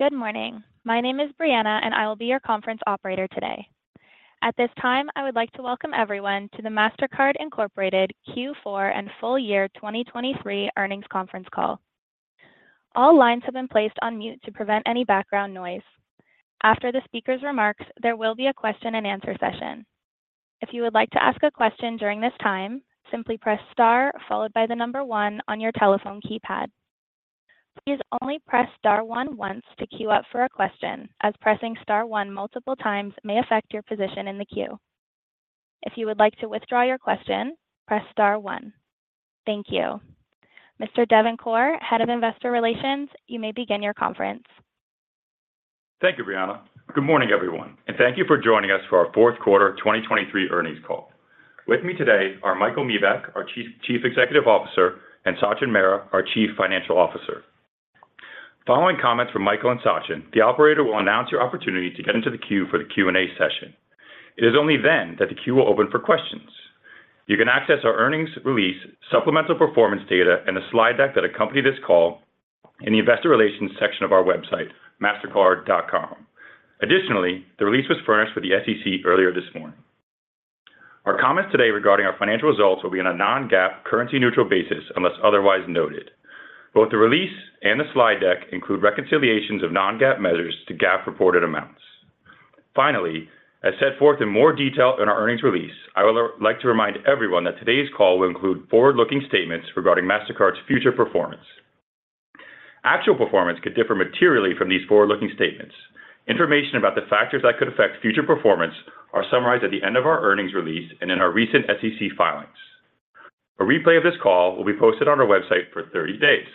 Good morning. My name is Brianna, and I will be your conference operator today. At this time, I would like to welcome everyone to the Mastercard Incorporated Q4 and full year 2023 earnings conference call. All lines have been placed on mute to prevent any background noise. After the speaker's remarks, there will be a question and answer session. If you would like to ask a question during this time, simply press star followed by the number one on your telephone keypad. Please only press star one once to queue up for a question, as pressing star one multiple times may affect your position in the queue. If you would like to withdraw your question, press star one. Thank you. Mr. Devin Corr, Head of Investor Relations, you may begin your conference. Thank you, Brianna. Good morning, everyone, and thank you for joining us for our fourth quarter 2023 earnings call. With me today are Michael Miebach, our Chief, Chief Executive Officer, and Sachin Mehra, our Chief Financial Officer. Following comments from Michael and Sachin, the operator will announce your opportunity to get into the queue for the Q&A session. It is only then that the queue will open for questions. You can access our earnings release, supplemental performance data, and a slide deck that accompany this call in the investor relations section of our website, mastercard.com. Additionally, the release was furnished with the SEC earlier this morning. Our comments today regarding our financial results will be on a non-GAAP, currency-neutral basis, unless otherwise noted. Both the release and the slide deck include reconciliations of non-GAAP measures to GAAP reported amounts. Finally, as set forth in more detail in our earnings release, I would like to remind everyone that today's call will include forward-looking statements regarding Mastercard's future performance. Actual performance could differ materially from these forward-looking statements. Information about the factors that could affect future performance are summarized at the end of our earnings release and in our recent SEC filings. A replay of this call will be posted on our website for 30 days.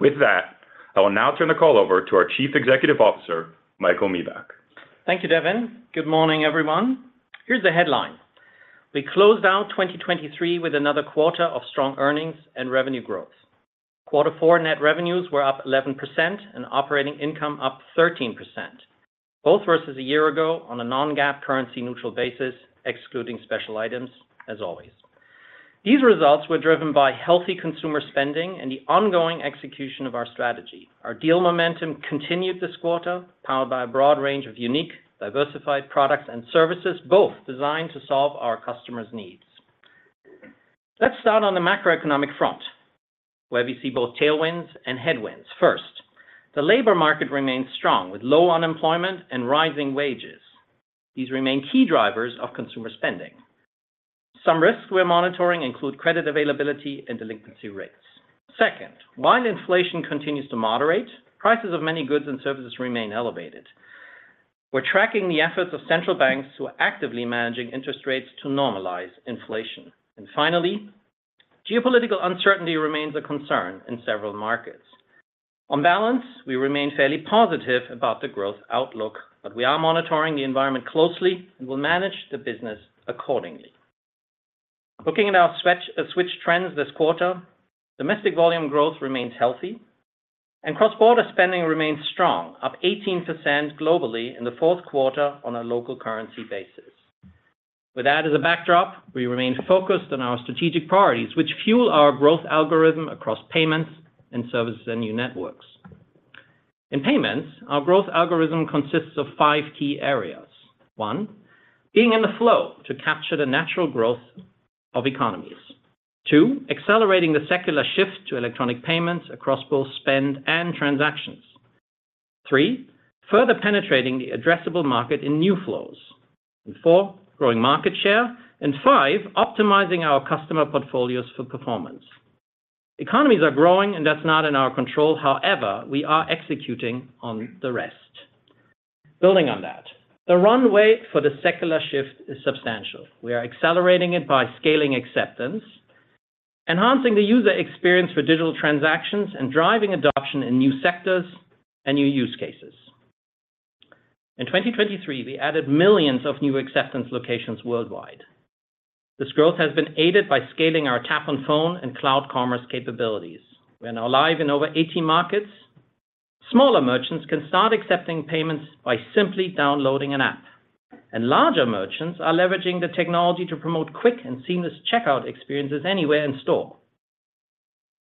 With that, I will now turn the call over to our Chief Executive Officer, Michael Miebach. Thank you, Devin. Good morning, everyone. Here's the headline: We closed out 2023 with another quarter of strong earnings and revenue growth. Quarter four net revenues were up 11% and operating income up 13%, both versus a year ago on a Non-GAAP currency neutral basis, excluding special items, as always. These results were driven by healthy consumer spending and the ongoing execution of our strategy. Our deal momentum continued this quarter, powered by a broad range of unique, diversified products and services, both designed to solve our customers' needs. Let's start on the macroeconomic front, where we see both tailwinds and headwinds. First, the labor market remains strong, with low unemployment and rising wages. These remain key drivers of consumer spending. Some risks we're monitoring include credit availability and delinquency rates. Second, while inflation continues to moderate, prices of many goods and services remain elevated. We're tracking the efforts of central banks who are actively managing interest rates to normalize inflation. And finally, geopolitical uncertainty remains a concern in several markets. On balance, we remain fairly positive about the growth outlook, but we are monitoring the environment closely and will manage the business accordingly. Looking at our switch trends this quarter, domestic volume growth remains healthy and cross-border spending remains strong, up 18% globally in the fourth quarter on a local currency basis. With that as a backdrop, we remain focused on our strategic priorities, which fuel our growth algorithm across payments and services and new networks. In payments, our growth algorithm consists of five key areas. One, being in the flow to capture the natural growth of economies. Two, accelerating the secular shift to electronic payments across both spend and transactions. Three, further penetrating the addressable market in new flows. Four, growing market share. Five, optimizing our customer portfolios for performance. Economies are growing, and that's not in our control. However, we are executing on the rest. Building on that, the runway for the secular shift is substantial. We are accelerating it by scaling acceptance, enhancing the user experience for digital transactions, and driving adoption in new sectors and new use cases. In 2023, we added millions of new acceptance locations worldwide. This growth has been aided by scaling our Tap on Phone and Cloud Commerce capabilities. We are now live in over 80 markets. Smaller merchants can start accepting payments by simply downloading an app, and larger merchants are leveraging the technology to promote quick and seamless checkout experiences anywhere in store.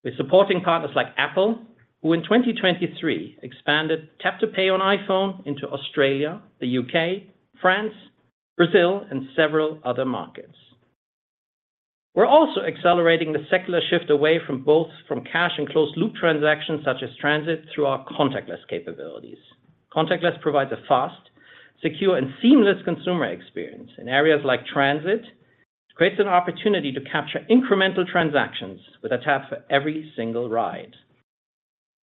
We're supporting partners like Apple, who in 2023 expanded Tap to Pay on iPhone into Australia, the U.K., France, Brazil, and several other markets. We're also accelerating the secular shift away from both cash and closed-loop transactions, such as transit, through our contactless capabilities. Contactless provides a fast, secure, and seamless consumer experience. In areas like transit, it creates an opportunity to capture incremental transactions with a tap for every single ride.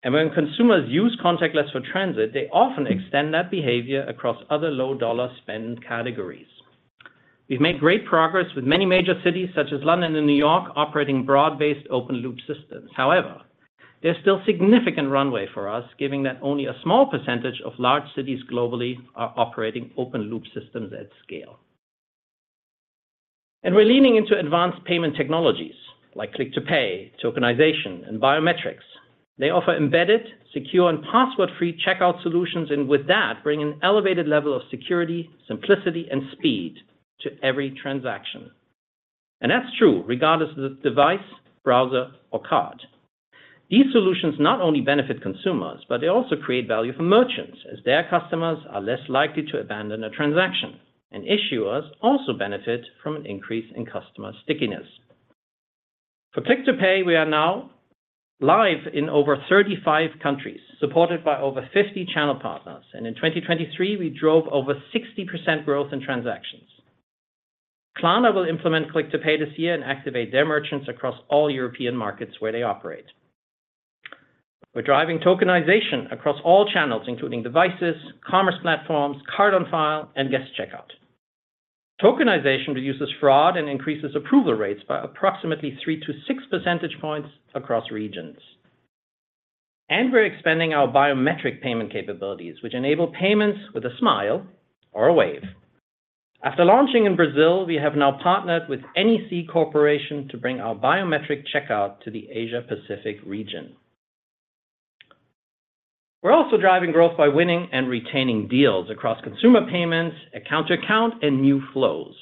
And when consumers use contactless for transit, they often extend that behavior across other low-dollar spend categories. We've made great progress with many major cities, such as London and New York, operating broad-based open-loop systems. However, there's still significant runway for us, given that only a small percentage of large cities globally are operating open-loop systems at scale. And we're leaning into advanced payment technologies like Click to Pay, Tokenization, and Biometrics. They offer embedded, secure, and password-free checkout solutions, and with that, bring an elevated level of security, simplicity, and speed to every transaction. That's true, regardless of the device, browser, or card. These solutions not only benefit consumers, but they also create value for merchants, as their customers are less likely to abandon a transaction. Issuers also benefit from an increase in customer stickiness. For Click to Pay, we are now live in over 35 countries, supported by over 50 channel partners. In 2023, we drove over 60% growth in transactions. Klarna will implement Click to Pay this year and activate their merchants across all European markets where they operate. We're driving tokenization across all channels, including devices, commerce platforms, card on file, and guest checkout. Tokenization reduces fraud and increases approval rates by approximately three to six percentage points across regions. We're expanding our biometric payment capabilities, which enable payments with a smile or a wave. After launching in Brazil, we have now partnered with NEC Corporation to bring our biometric checkout to the Asia-Pacific region. We're also driving growth by winning and retaining deals across consumer payments, account to account, and new flows.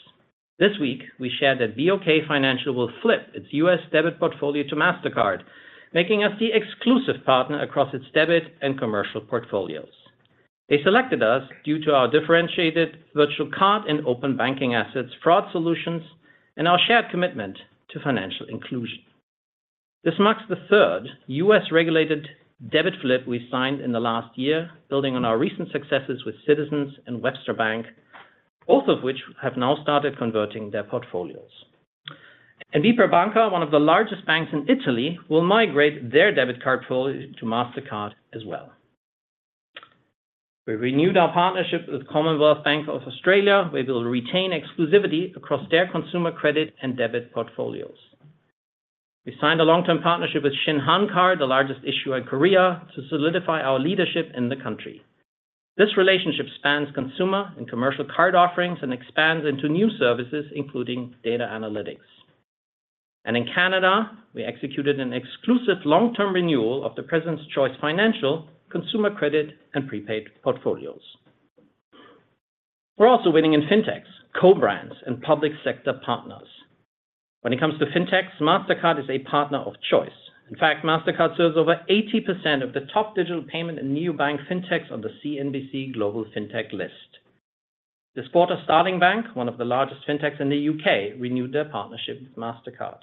This week, we shared that BOK Financial will flip its US debit portfolio to Mastercard, making us the exclusive partner across its debit and commercial portfolios. They selected us due to our differentiated virtual card Open Banking assets, fraud solutions, and our shared commitment to financial inclusion. This marks the third US-regulated debit flip we signed in the last year, building on our recent successes with Citizens and Webster Bank, both of which have now started converting their portfolios. BPER Banca, one of the largest banks in Italy, will migrate their debit card portfolio to Mastercard as well. We renewed our partnership with Commonwealth Bank of Australia, where we'll retain exclusivity across their consumer credit and debit portfolios. We signed a long-term partnership with Shinhan Card, the largest issuer in Korea, to solidify our leadership in the country. This relationship spans consumer and commercial card offerings and expands into new services, including data analytics. In Canada, we executed an exclusive long-term renewal of the President's Choice Financial consumer credit and prepaid portfolios. We're also winning in Fintechs, co-brands, and public sector partners. When it comes to Fintechs, Mastercard is a partner of choice. In fact, Mastercard serves over 80% of the top digital payment and new buying Fintechs on the CNBC Global Fintech list. This quarter, Starling Bank, one of the largest Fintechs in the U.K., renewed their partnership with Mastercard.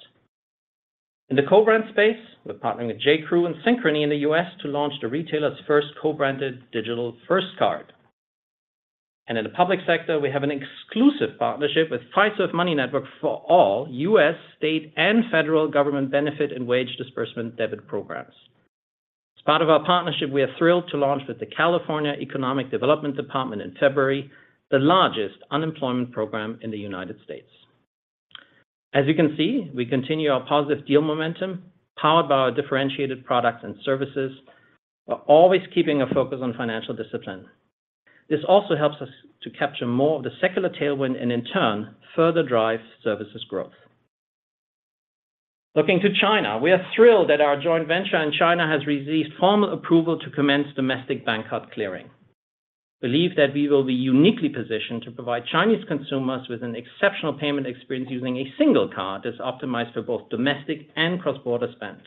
In the co-brand space, we're partnering with J.Crew and Synchrony in the U.S. to launch the retailer's first co-branded Digital First card. And in the public sector, we have an exclusive partnership with Fiserv Money Network for all U.S., state, and federal government benefit and wage disbursement debit programs. As part of our partnership, we are thrilled to launch with the California Employment Development Department in February, the largest unemployment program in the United States. As you can see, we continue our positive deal momentum, powered by our differentiated products and services, while always keeping a focus on financial discipline. This also helps us to capture more of the secular tailwind and in turn, further drive services growth. Looking to China, we are thrilled that our joint venture in China has received formal approval to commence domestic bank card clearing. Believe that we will be uniquely positioned to provide Chinese consumers with an exceptional payment experience using a single card that's optimized for both domestic and cross-border spend.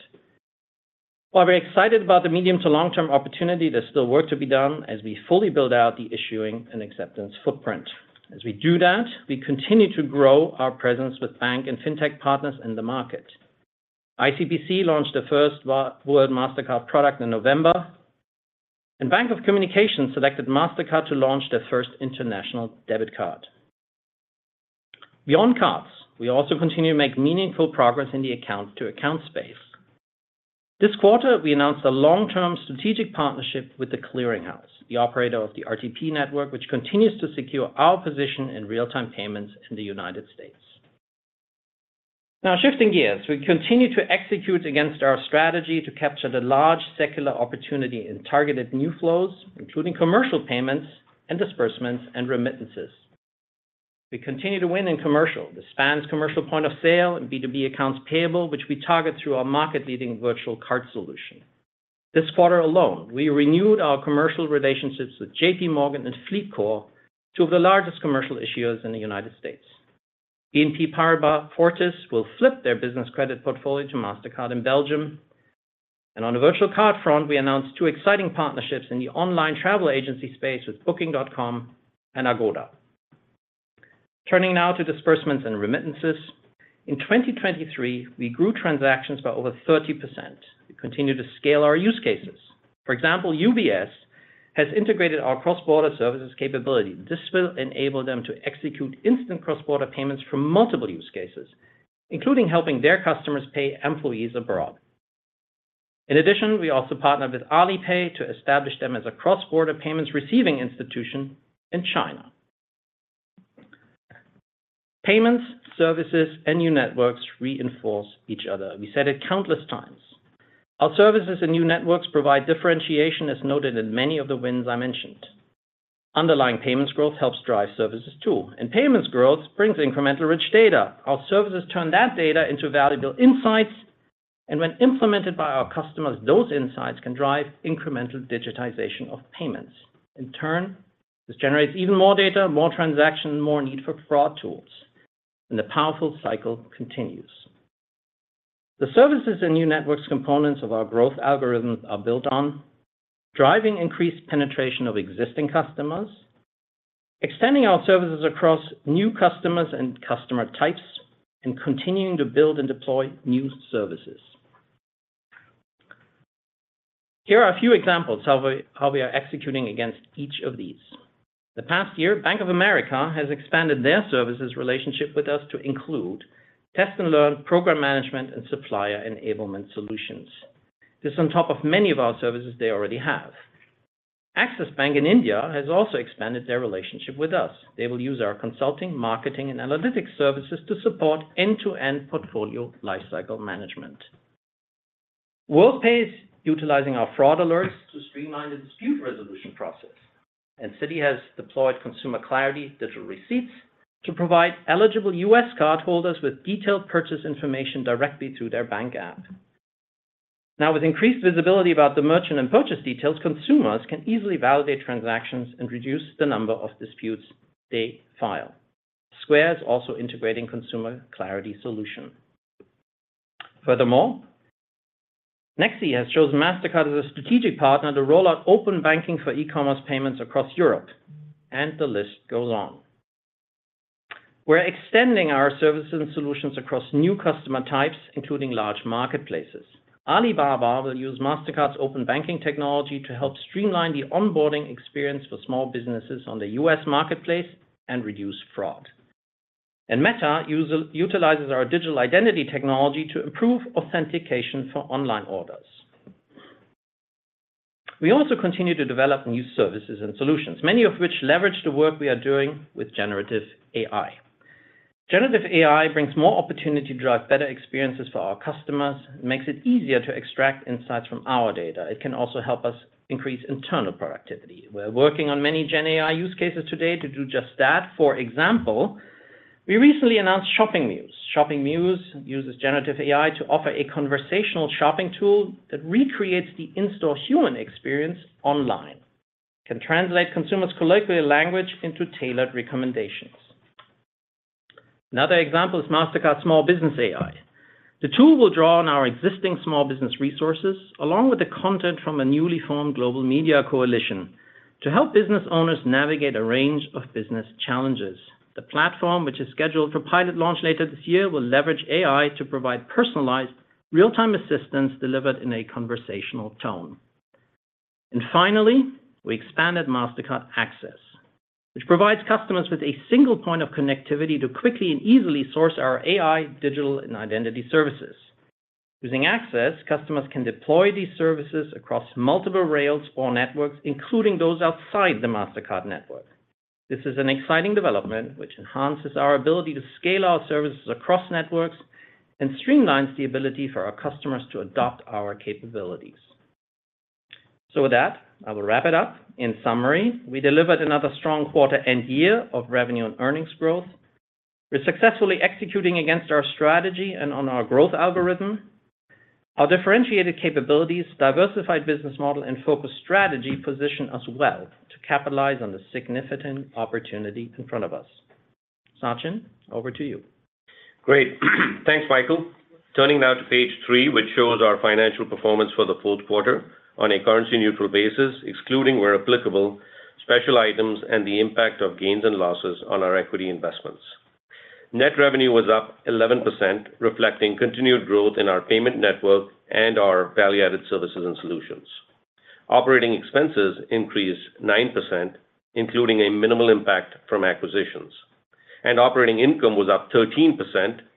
While we're excited about the medium to long-term opportunity, there's still work to be done as we fully build out the issuing and acceptance footprint. As we do that, we continue to grow our presence with bank and fintech partners in the market. ICBC launched the first World Mastercard product in November, and Bank of Communications selected Mastercard to launch their first international debit card. Beyond cards, we also continue to make meaningful progress in the account-to-account space. This quarter, we announced a long-term strategic partnership with The Clearing House, the operator of the RTP network, which continues to secure our position in real-time payments in the United States. Now, shifting gears, we continue to execute against our strategy to capture the large secular opportunity in targeted new flows, including commercial payments and disbursements and remittances. We continue to win in commercial. This spans commercial point of sale and B2B accounts payable, which we target through our market-leading virtual card solution. This quarter alone, we renewed our commercial relationships with JPMorgan and FLEETCOR, two of the largest commercial issuers in the United States. BNP Paribas Fortis will flip their business credit portfolio to Mastercard in Belgium. And on the virtual card front, we announced two exciting partnerships in the online travel agency space with Booking.com and Agoda. Turning now to disbursements and remittances. In 2023, we grew transactions by over 30%. We continue to scale our use cases. For example, UBS has integrated our cross-border services capability. This will enable them to execute instant cross-border payments for multiple use cases, including helping their customers pay employees abroad. In addition, we also partnered with Alipay to establish them as a cross-border payments receiving institution in China. Payments, services, and new networks reinforce each other. We said it countless times. Our services and new networks provide differentiation, as noted in many of the wins I mentioned. Underlying payments growth helps drive services, too, and payments growth brings incremental rich data. Our services turn that data into valuable insights and when implemented by our customers, those insights can drive incremental digitization of payments. In turn, this generates even more data, more transaction, more need for fraud tools, and the powerful cycle continues. The services and new networks components of our growth algorithm are built on driving increased penetration of existing customers, extending our services across new customers and customer types, and continuing to build and deploy new services. Here are a few examples of how we are executing against each of these. The past year, Bank of America has expanded their services relationship with us to include Test & Learn, program management, and supplier enablement solutions. This on top of many of our services they already have. Axis Bank in India has also expanded their relationship with us. They will use our consulting, marketing, and analytics services to support end-to-end portfolio lifecycle management. Worldpay is utilizing our fraud alerts to streamline the dispute resolution process, and Citi has deployed Consumer Clarity digital receipts to provide eligible U.S. cardholders with detailed purchase information directly through their bank app. Now, with increased visibility about the merchant and purchase details, consumers can easily validate transactions and reduce the number of disputes they file. Square is also integrating Consumer Clarity solution. Furthermore, Nexi has chosen Mastercard as a strategic partner to roll Open Banking for e-commerce payments across Europe, and the list goes on. We're extending our services and solutions across new customer types, including large marketplaces. Alibaba will use Open Banking technology to help streamline the onboarding experience for small businesses on the U.S. marketplace and reduce fraud. And Meta utilizes our digital identity technology to improve authentication for online orders. We also continue to develop new services and solutions, many of which leverage the work we are doing with Generative AI. Generative AI brings more opportunity to drive better experiences for our customers, makes it easier to extract insights from our data. It can also help us increase internal productivity. We're working on many Gen AI use cases today to do just that. For example, we recently announced Shopping Muse. Shopping Muse uses generative AI to offer a conversational shopping tool that recreates the in-store human experience online, can translate consumers' colloquial language into tailored recommendations. Another example is Mastercard Small Business AI. The tool will draw on our existing small business resources, along with the content from a newly formed global media coalition, to help business owners navigate a range of business challenges. The platform, which is scheduled for pilot launch later this year, will leverage AI to provide personalized, real-time assistance delivered in a conversational tone. And finally, we expanded Mastercard Access, which provides customers with a single point of connectivity to quickly and easily source our AI, digital, and identity services. Using Access, customers can deploy these services across multiple rails or networks, including those outside the Mastercard network. This is an exciting development, which enhances our ability to scale our services across networks and streamlines the ability for our customers to adopt our capabilities. With that, I will wrap it up. In summary, we delivered another strong quarter and year of revenue and earnings growth. We're successfully executing against our strategy and on our growth algorithm. Our differentiated capabilities, diversified business model, and focused strategy position us well to capitalize on the significant opportunity in front of us. Sachin, over to you. Great. Thanks, Michael. Turning now to page three, which shows our financial performance for the fourth quarter on a currency-neutral basis, excluding where applicable, special items and the impact of gains and losses on our equity investments. Net revenue was up 11%, reflecting continued growth in our payment network and our value-added services and solutions. Operating expenses increased 9%, including a minimal impact from acquisitions, and operating income was up 13%,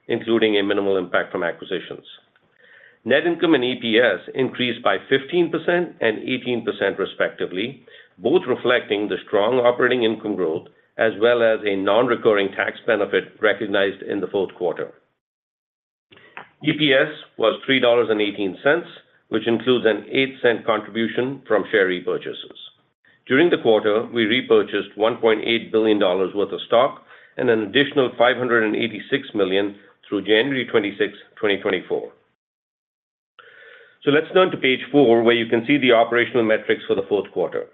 including a minimal impact from acquisitions. Net income and EPS increased by 15% and 18%, respectively, both reflecting the strong operating income growth as well as a non-recurring tax benefit recognized in the fourth quarter. EPS was $3.18, which includes an $0.08 contribution from share repurchases. During the quarter, we repurchased $1.8 billion worth of stock and an additional $586 million through January 26, 2024. So let's turn to page 4, where you can see the operational metrics for the fourth quarter.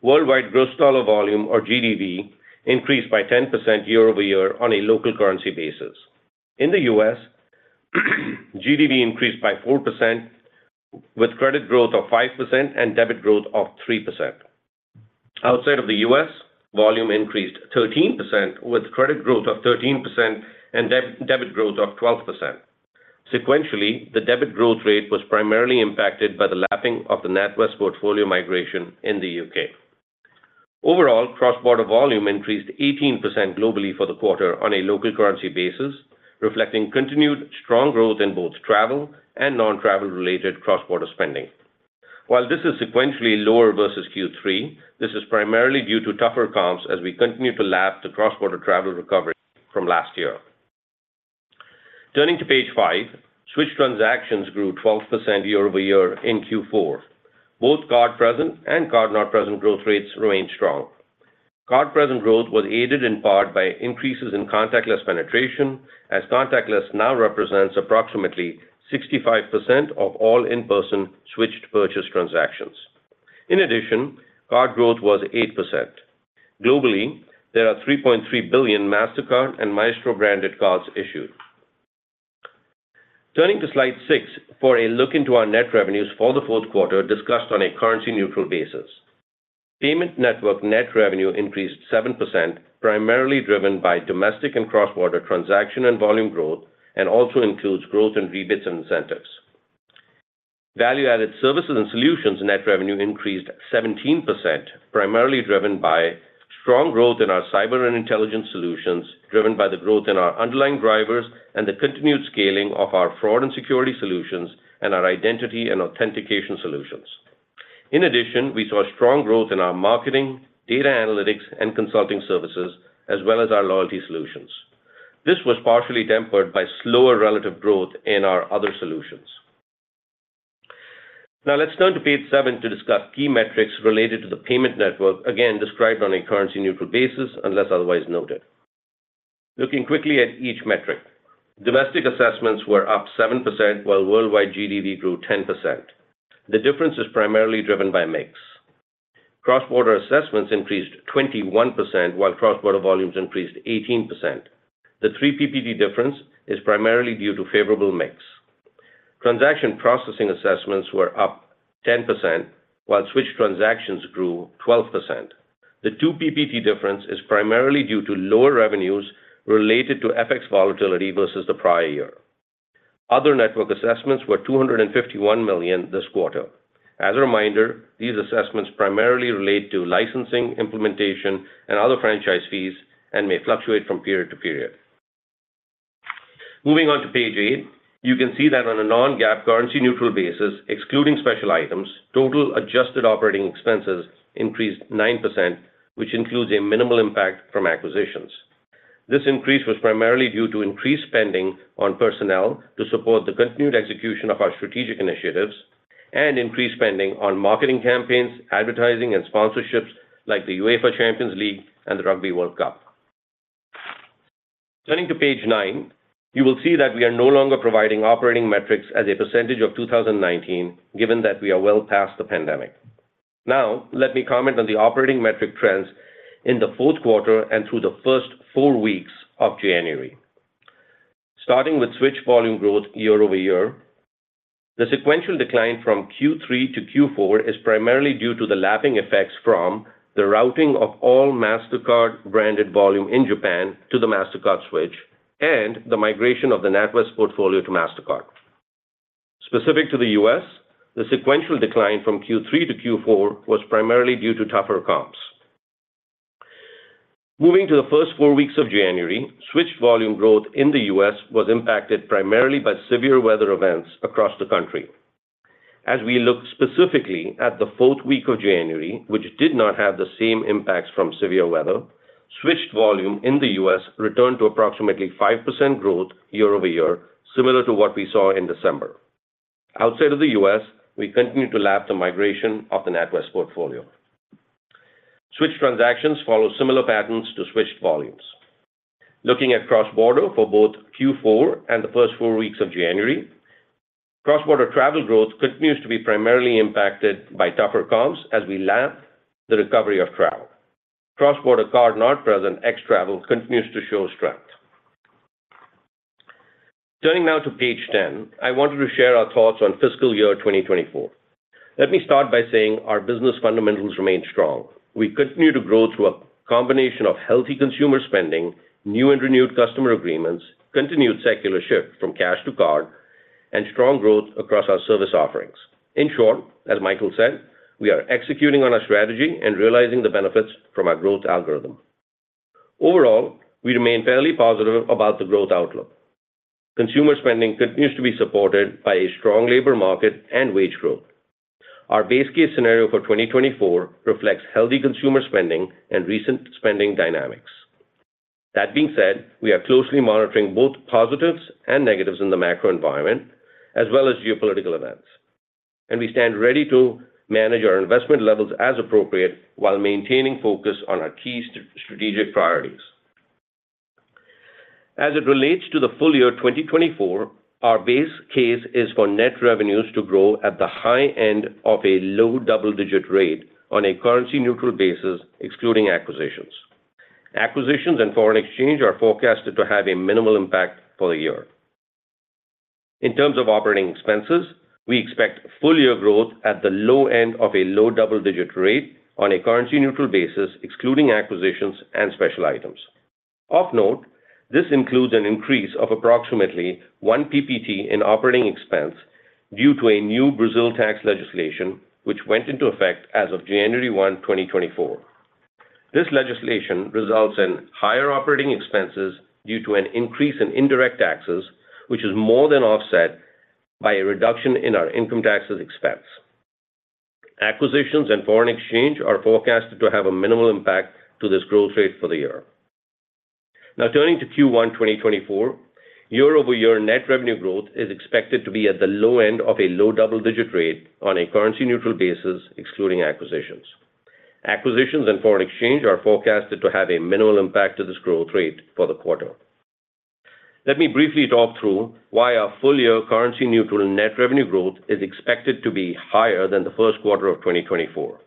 Worldwide gross dollar volume, or GDV, increased by 10% year-over-year on a local currency basis. In the U.S., GDV increased by 4%, with credit growth of 5% and debit growth of 3%. Outside of the U.S., volume increased 13%, with credit growth of 13% and debit growth of 12%. Sequentially, the debit growth rate was primarily impacted by the lapping of the NatWest portfolio migration in the U.K. Overall, cross-border volume increased 18% globally for the quarter on a local currency basis, reflecting continued strong growth in both travel and non-travel related cross-border spending. While this is sequentially lower versus Q3, this is primarily due to tougher comps as we continue to lap the cross-border travel recovery from last year. Turning to page 5, switched transactions grew 12% year-over-year in Q4. Both card present and card not present growth rates remained strong. Card present growth was aided in part by increases in contactless penetration, as contactless now represents approximately 65% of all in-person switched purchase transactions. In addition, card growth was 8%. Globally, there are 3.3 billion Mastercard and Maestro-branded cards issued. Turning to slide 6, for a look into our net revenues for the fourth quarter, discussed on a currency-neutral basis. Payment network net revenue increased 7%, primarily driven by domestic and cross-border transaction and volume growth, and also includes growth in rebates and incentives. Value-added services and solutions net revenue increased 17%, primarily driven by strong growth in our cyber and intelligence solutions, driven by the growth in our underlying drivers and the continued scaling of our fraud and security solutions and our identity and authentication solutions. In addition, we saw strong growth in our marketing, data analytics, and consulting services, as well as our loyalty solutions. This was partially tempered by slower relative growth in our other solutions. Now, let's turn to page seven to discuss key metrics related to the payment network, again, described on a currency-neutral basis, unless otherwise noted. Looking quickly at each metric. Domestic assessments were up 7%, while worldwide GDV grew 10%. The difference is primarily driven by mix. Cross-border assessments increased 21%, while cross-border volumes increased 18%. The three percentage point difference is primarily due to favorable mix. Transaction processing assessments were up 10%, while switch transactions grew 12%. The two percentage points difference is primarily due to lower revenues related to FX volatility versus the prior year. Other network assessments were $251 million this quarter. As a reminder, these assessments primarily relate to licensing, implementation, and other franchise fees, and may fluctuate from period to period. Moving on to page eight, you can see that on a non-GAAP, currency-neutral basis, excluding special items, total adjusted operating expenses increased 9%, which includes a minimal impact from acquisitions. This increase was primarily due to increased spending on personnel to support the continued execution of our strategic initiatives and increased spending on marketing campaigns, advertising, and sponsorships like the UEFA Champions League and the Rugby World Cup. Turning to page nine, you will see that we are no longer providing operating metrics as a percentage of 2019, given that we are well past the pandemic. Now, let me comment on the operating metric trends in the fourth quarter and through the first four weeks of January. Starting with switch volume growth year-over-year, the sequential decline from Q3 to Q4 is primarily due to the lapping effects from the routing of all Mastercard-branded volume in Japan to the Mastercard switch and the migration of the NatWest portfolio to Mastercard. Specific to the U.S., the sequential decline from Q3 to Q4 was primarily due to tougher comps. Moving to the first four weeks of January, switch volume growth in the U.S. was impacted primarily by severe weather events across the country. As we look specifically at the fourth week of January, which did not have the same impacts from severe weather, switched volume in the U.S. returned to approximately 5% growth year-over-year, similar to what we saw in December. Outside of the U.S., we continue to lap the migration of the NatWest portfolio. Switch transactions follow similar patterns to switched volumes. Looking at cross-border for both Q4 and the first four weeks of January, cross-border travel growth continues to be primarily impacted by tougher comps as we lap the recovery of travel. Cross-border card not present, ex-travel, continues to show strength. Turning now to page 10, I wanted to share our thoughts on fiscal year 2024. Let me start by saying our business fundamentals remain strong. We continue to grow through a combination of healthy consumer spending, new and renewed customer agreements, continued secular shift from cash to card, and strong growth across our service offerings. In short, as Michael said, we are executing on our strategy and realizing the benefits from our growth algorithm. Overall, we remain fairly positive about the growth outlook. Consumer spending continues to be supported by a strong labor market and wage growth. Our base case scenario for 2024 reflects healthy consumer spending and recent spending dynamics. That being said, we are closely monitoring both positives and negatives in the macro environment, as well as geopolitical events, and we stand ready to manage our investment levels as appropriate while maintaining focus on our key strategic priorities. As it relates to the full year 2024, our base case is for net revenues to grow at the high end of a low double-digit rate on a currency-neutral basis, excluding acquisitions. Acquisitions and foreign exchange are forecasted to have a minimal impact for the year. In terms of operating expenses, we expect full year growth at the low end of a low double-digit rate on a currency-neutral basis, excluding acquisitions and special items. Of note, this includes an increase of approximately one PPT in operating expense due to a new Brazil tax legislation, which went into effect as of January 1, 2024. This legislation results in higher operating expenses due to an increase in indirect taxes, which is more than offset by a reduction in our income taxes expense. Acquisitions and foreign exchange are forecasted to have a minimal impact to this growth rate for the year. Now turning to Q1 2024, year-over-year net revenue growth is expected to be at the low end of a low double-digit rate on a currency-neutral basis, excluding acquisitions. Acquisitions and foreign exchange are forecasted to have a minimal impact to this growth rate for the quarter. Let me briefly talk through why our full-year currency neutral net revenue growth is expected to be higher than the first quarter of 2024.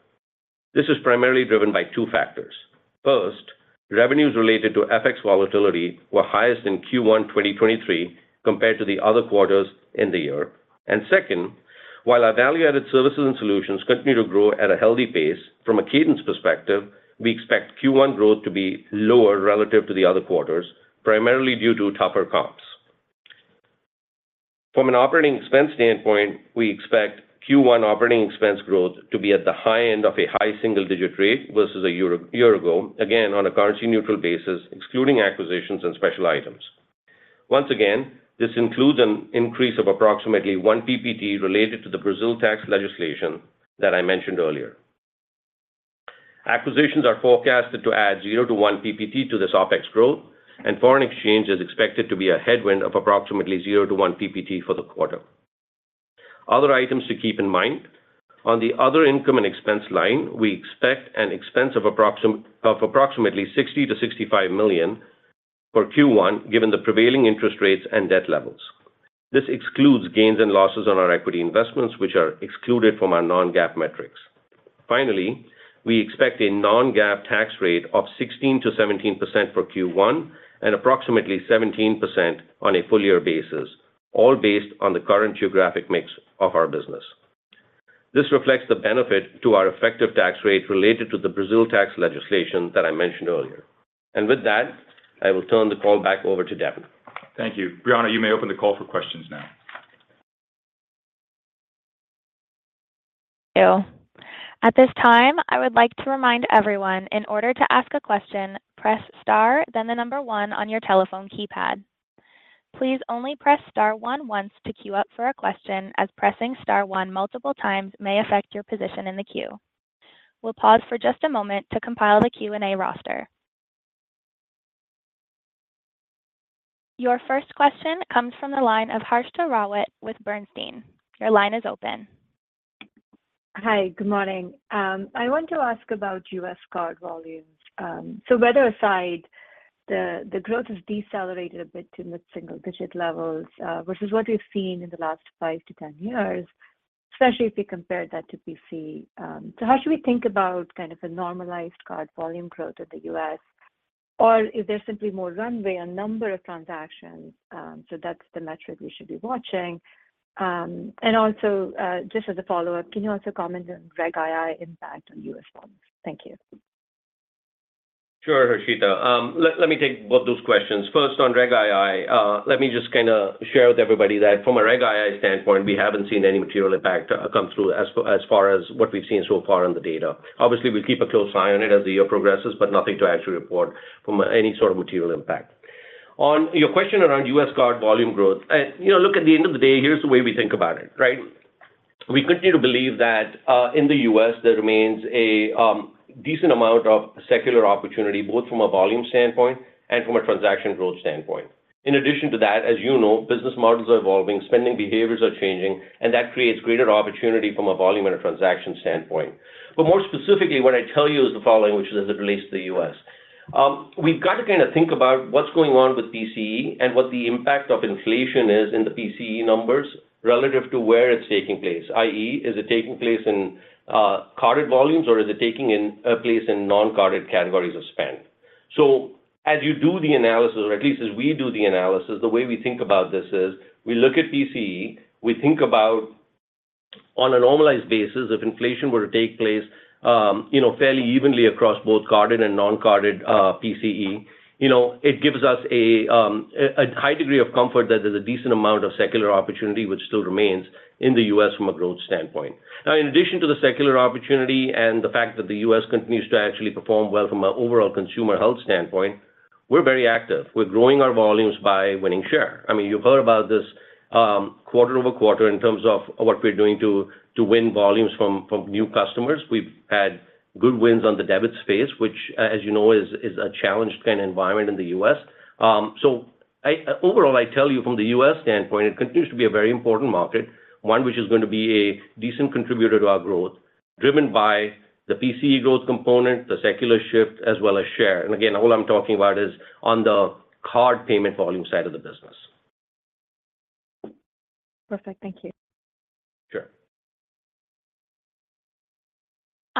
This is primarily driven by two factors: First, revenues related to FX volatility were highest in Q1 2023 compared to the other quarters in the year. And second, while our value-added services and solutions continue to grow at a healthy pace, from a cadence perspective, we expect Q1 growth to be lower relative to the other quarters, primarily due to tougher comps. From an operating expense standpoint, we expect Q1 operating expense growth to be at the high end of a high single-digit rate versus a year, a year ago, again, on a currency-neutral basis, excluding acquisitions and special items. Once again, this includes an increase of approximately one PPT related to the Brazil tax legislation that I mentioned earlier. Acquisitions are forecasted to add zero to one PPT to this OpEx growth, and foreign exchange is expected to be a headwind of approximately zero to one PPT for the quarter. Other items to keep in mind, on the other income and expense line, we expect an expense of approximately $60 million-$65 million for Q1, given the prevailing interest rates and debt levels. This excludes gains and losses on our equity investments, which are excluded from our non-GAAP metrics. Finally, we expect a Non-GAAP tax rate of 16%-17% for Q1 and approximately 17% on a full year basis, all based on the current geographic mix of our business. This reflects the benefit to our effective tax rate related to the Brazil tax legislation that I mentioned earlier. With that, I will turn the call back over to Devin. Thank you. Brianna, you may open the call for questions now. Thank you. At this time, I would like to remind everyone, in order to ask a question, press star, then the number one on your telephone keypad. Please only press star one once to queue up for a question, as pressing star one multiple times may affect your position in the queue. We'll pause for just a moment to compile the Q&A roster. Your first question comes from the line of Harshita Rawat with Bernstein. Your line is open. Hi, good morning. I want to ask about U.S. card volumes. So weather aside, the growth has decelerated a bit in the single-digit levels, versus what we've seen in the last five to ten years, especially if you compare that to PCE. So how should we think about kind of a normalized card volume growth in the U.S.? Or is there simply more runway on number of transactions, so that's the metric we should be watching? And also, just as a follow-up, can you also comment on Reg II impact on U.S. volumes? Thank you. Sure, Harshita. Let me take both those questions. First, on Reg II, let me just kinda share with everybody that from a Reg II standpoint, we haven't seen any material impact come through as far as what we've seen so far on the data. Obviously, we'll keep a close eye on it as the year progresses, but nothing to actually report from any sort of material impact. On your question around U.S. card volume growth, you know, look, at the end of the day, here's the way we think about it, right? We continue to believe that in the U.S., there remains a decent amount of secular opportunity, both from a volume standpoint and from a transaction growth standpoint. In addition to that, as you know, business models are evolving, spending behaviors are changing, and that creates greater opportunity from a volume and a transaction standpoint. But more specifically, what I'd tell you is the following, which is as it relates to the U.S. We've got to kinda think about what's going on with PCE and what the impact of inflation is in the PCE numbers relative to where it's taking place, i.e., is it taking place in carded volumes, or is it taking place in non-carded categories of spend? So as you do the analysis, or at least as we do the analysis, the way we think about this is, we look at PCE, we think about on a normalized basis, if inflation were to take place, you know, fairly evenly across both carded and non-carded, PCE, you know, it gives us a high degree of comfort that there's a decent amount of secular opportunity which still remains in the US from a growth standpoint. Now, in addition to the secular opportunity and the fact that the US continues to actually perform well from an overall consumer health standpoint, we're very active. We're growing our volumes by winning share. I mean, you've heard about this, quarter over quarter in terms of what we're doing to win volumes from new customers. We've had good wins on the debit space, which, as you know, is a challenged kind of environment in the U.S. So overall, I tell you from the U.S. standpoint, it continues to be a very important market, one which is going to be a decent contributor to our growth, driven by the PCE growth component, the secular shift, as well as share. And again, all I'm talking about is on the card payment volume side of the business. Perfect. Thank you. Sure.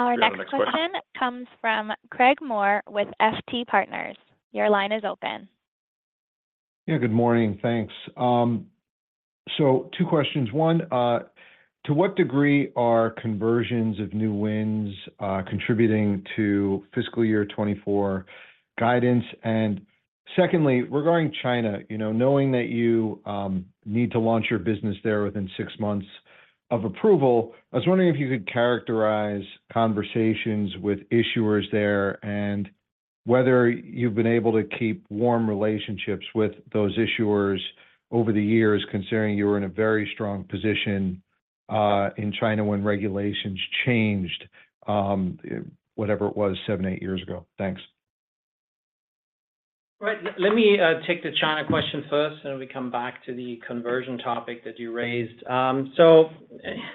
Our next question- Go to the next question.... comes from Craig Maurer with FT Partners. Your line is open. Yeah, good morning. Thanks. So two questions. One, to what degree are conversions of new wins contributing to fiscal year 2024 guidance? And secondly, regarding China, you know, knowing that you need to launch your business there within six months of approval, I was wondering if you could characterize conversations with issuers there and whether you've been able to keep warm relationships with those issuers over the years, considering you were in a very strong position in China when regulations changed, whatever it was, seven, eight years ago? Thanks. Right. Let me take the China question first, and then we come back to the conversion topic that you raised. So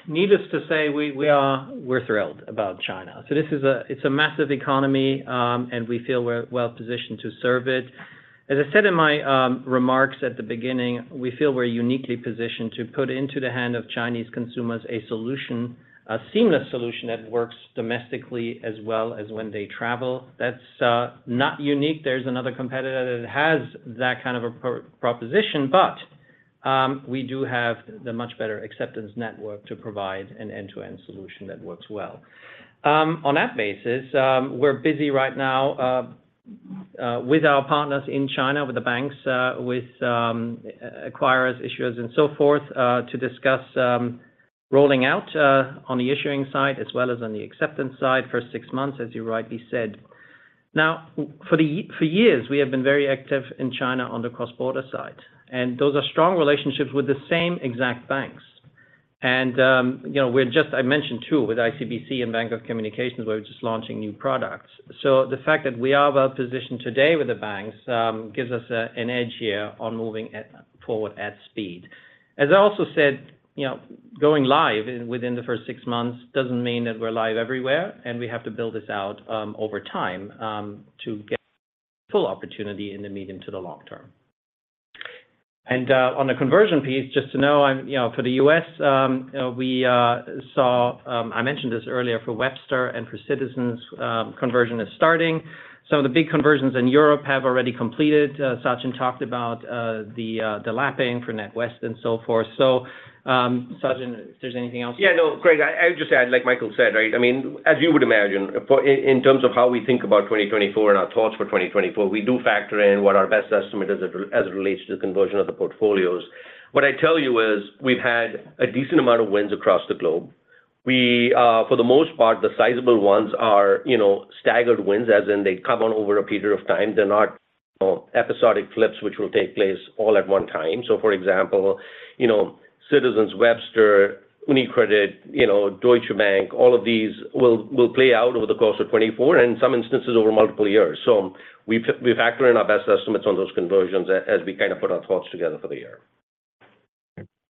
needless to say, we're thrilled about China. So it's a massive economy, and we feel we're well-positioned to serve it. As I said in my remarks at the beginning, we feel we're uniquely positioned to put into the hand of Chinese consumers a solution, a seamless solution that works domestically as well as when they travel. That's not unique. There's another competitor that has that kind of a proposition, but we do have the much better acceptance network to provide an end-to-end solution that works well. On that basis, we're busy right now with our partners in China, with the banks, with acquirers, issuers, and so forth to discuss rolling out on the issuing side, as well as on the acceptance side for six months, as you rightly said. Now, for years, we have been very active in China on the cross-border side, and those are strong relationships with the same exact banks. And, you know, we're just, I mentioned, too, with ICBC and Bank of Communications, we're just launching new products. So the fact that we are well-positioned today with the banks gives us an edge here on moving forward at speed. As I also said, you know, going live within the first six months doesn't mean that we're live everywhere, and we have to build this out over time to get full opportunity in the medium to the long term. And on the conversion piece, just to know, I'm, you know, for the US, we saw I mentioned this earlier, for Webster and for Citizens, conversion is starting. Some of the big conversions in Europe have already completed. Sachin talked about the lapping for NatWest and so forth. So, Sachin, if there's anything else- Yeah, no, Craig, I would just add, like Michael said, right? I mean, as you would imagine, for, in terms of how we think about 2024 and our thoughts for 2024, we do factor in what our best estimate is as it relates to the conversion of the portfolios. What I'd tell you is we've had a decent amount of wins across the globe. We, for the most part, the sizable ones are staggered wins, as in, they come on over a period of time. They're not episodic flips, which will take place all at one time. So for example, Citizens, Webster, UniCredit, Deutsche Bank, all of these will play out over the course of 2024 and in some instances, over multiple years. So we factor in our best estimates on those conversions as we kind of put our thoughts together for the year.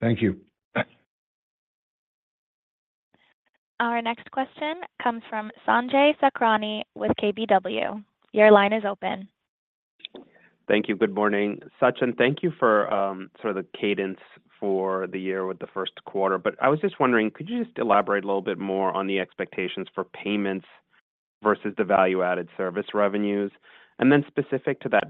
Thank you. Our next question comes from Sanjay Sakhrani with KBW. Your line is open. Thank you. Good morning. Sachin, thank you for sort of the cadence for the year with the first quarter. But I was just wondering, could you just elaborate a little bit more on the expectations for payments versus the value-added service revenues? And then specific to that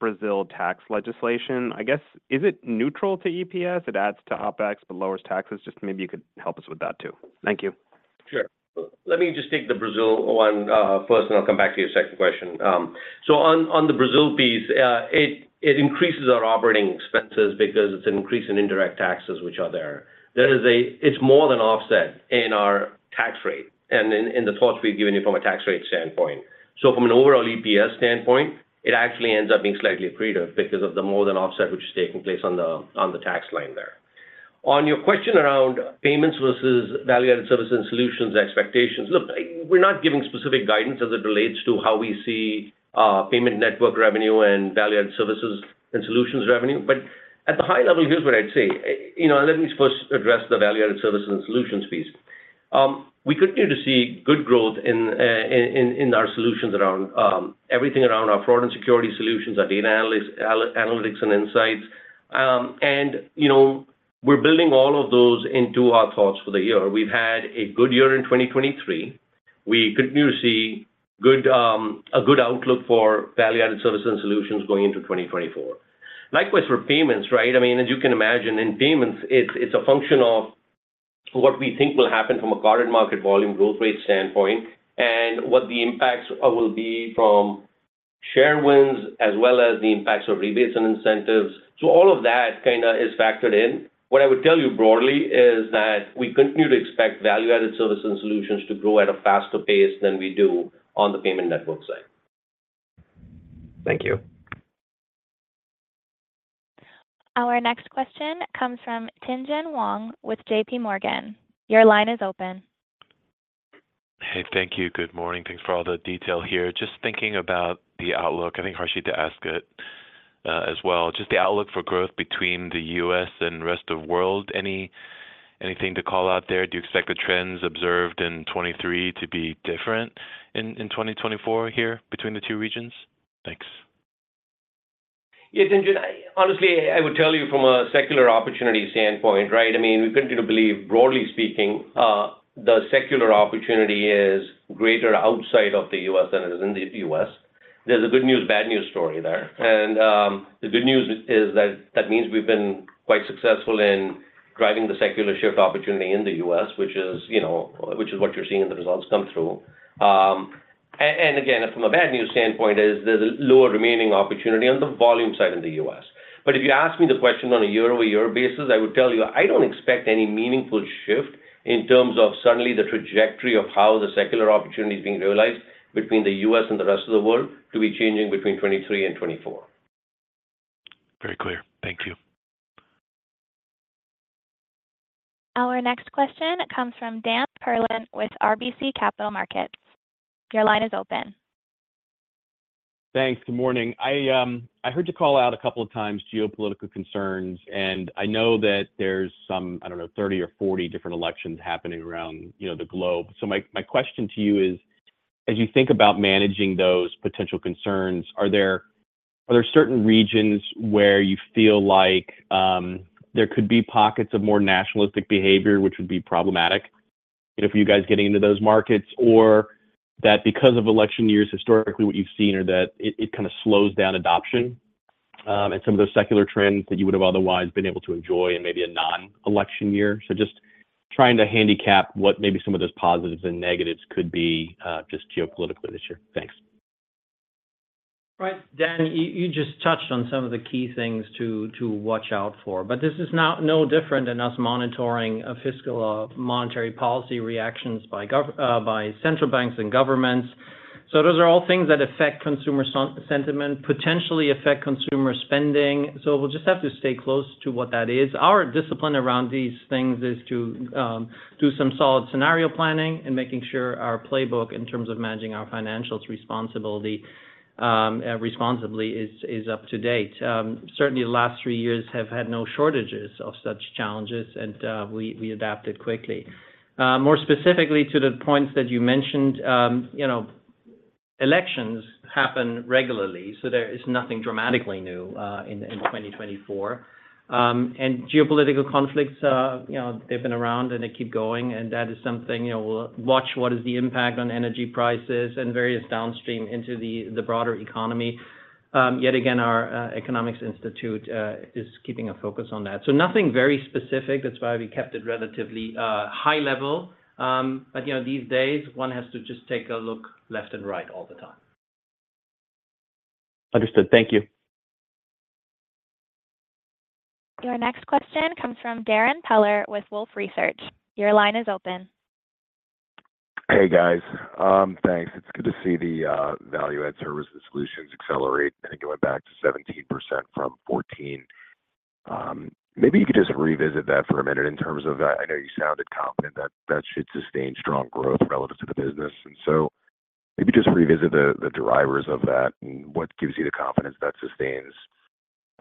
Brazil tax legislation, I guess, is it neutral to EPS? It adds to OpEx, but lowers taxes. Just maybe you could help us with that, too. Thank you. Sure. Let me just take the Brazil one first, and I'll come back to your second question. So on the Brazil piece, it increases our operating expenses because it's an increase in indirect taxes, which are there. It's more than offset in our tax rate and in the thoughts we've given you from a tax rate standpoint. So from an overall EPS standpoint, it actually ends up being slightly accretive because of the more than offset, which is taking place on the tax line there. On your question around payments versus value-added service and solutions expectations, look, we're not giving specific guidance as it relates to how we see payment network revenue and value-added services and solutions revenue. But at the high level, here's what I'd say. You know, let me first address the value-added service and solutions piece. We continue to see good growth in our solutions around everything around our fraud and security solutions, our data analytics and insights. And, you know, we're building all of those into our thoughts for the year. We've had a good year in 2023. We continue to see good, a good outlook for value-added services and solutions going into 2024. Likewise, for payments, right? I mean, as you can imagine, in payments, it's a function of what we think will happen from a card market volume growth rate standpoint and what the impacts will be from share wins, as well as the impacts of rebates and incentives. So all of that kinda is factored in. What I would tell you broadly is that we continue to expect value-added services and solutions to grow at a faster pace than we do on the payment network side. Thank you. Our next question comes from Tien-Tsin Huang with JPMorgan. Your line is open. Hey, thank you. Good morning. Thanks for all the detail here. Just thinking about the outlook, I think Harshita asked it as well, just the outlook for growth between the U.S. and rest of world. Anything to call out there? Do you expect the trends observed in 2023 to be different in 2024 here between the two regions? Thanks. Yes, Tien-Tsin. Honestly, I would tell you from a secular opportunity standpoint, right? I mean, we continue to believe, broadly speaking, the secular opportunity is greater outside of the U.S. than it is in the U.S. There's a good news, bad news story there. And the good news is that that means we've been quite successful in driving the secular shift opportunity in the U.S., which is, you know, which is what you're seeing in the results come through. And again, from a bad news standpoint, is there's a lower remaining opportunity on the volume side in the U.S. If you ask me the question on a year-over-year basis, I would tell you, I don't expect any meaningful shift in terms of suddenly the trajectory of how the secular opportunity is being realized between the U.S. and the rest of the world to be changing between 2023 and 2024. Very clear. Thank you. Our next question comes from Dan Perlin with RBC Capital Markets. Your line is open. Thanks. Good morning. I, I heard you call out a couple of times geopolitical concerns, and I know that there's some, I don't know, 30 or 40 different elections happening around, you know, the globe. So my question to you is: as you think about managing those potential concerns, are there certain regions where you feel like there could be pockets of more nationalistic behavior, which would be problematic, you know, for you guys getting into those markets? Or that because of election years, historically, what you've seen are that it kind of slows down adoption, and some of those secular trends that you would have otherwise been able to enjoy in maybe a nonelection year? So just trying to handicap what maybe some of those positives and negatives could be, just geopolitically this year. Thanks. Right. Dan, you just touched on some of the key things to watch out for, but this is not no different than us monitoring a fiscal or monetary policy reactions by central banks and governments. So those are all things that affect consumer sentiment, potentially affect consumer spending, so we'll just have to stay close to what that is. Our discipline around these things is to do some solid scenario planning and making sure our playbook, in terms of managing our financials responsibly, is up to date. Certainly, the last three years have had no shortages of such challenges, and we adapted quickly. More specifically to the points that you mentioned, you know, elections happen regularly, so there is nothing dramatically new in 2024. And geopolitical conflicts, you know, they've been around and they keep going, and that is something, you know, we'll watch what is the impact on energy prices and various downstream into the broader economy. Yet again, our economics institute is keeping a focus on that. So nothing very specific. That's why we kept it relatively high level. But, you know, these days, one has to just take a look left and right all the time. Understood. Thank you. Your next question comes from Darrin Peller with Wolfe Research. Your line is open. Hey, guys. Thanks. It's good to see the value-added services solutions accelerate. I think it went back to 17% from 14%. Maybe you could just revisit that for a minute in terms of, I know you sounded confident that that should sustain strong growth relative to the business. And so maybe just revisit the drivers of that and what gives you the confidence that sustains,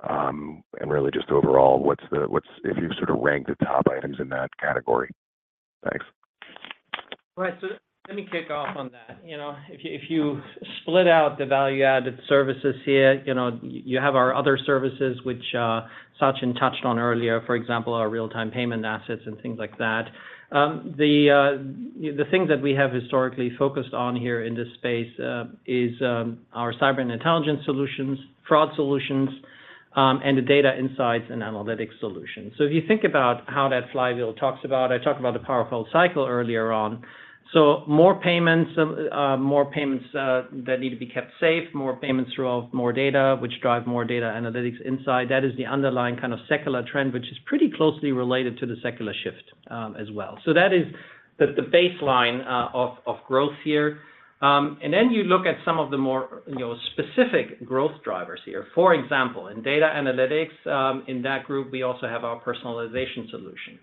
and really just overall, if you sort of ranked the top items in that category. Thanks. Right. So let me kick off on that. You know, if you split out the value-added services here, you know, you have our other services, which, Sachin touched on earlier, for example, our real-time payment assets and things like that. The things that we have historically focused on here in this space is our cyber and intelligence solutions, fraud solutions, and the data insights and analytics solutions. So if you think about how that slide wheel talks about, I talked about the powerful cycle earlier on. So more payments, more payments that need to be kept safe, more payments involve more data, which drive more data analytics insight. That is the underlying kind of secular trend, which is pretty closely related to the secular shift, as well. So that is the baseline of growth here. And then you look at some of the more, you know, specific growth drivers here. For example, in data analytics, in that group, we also have our personalization solution.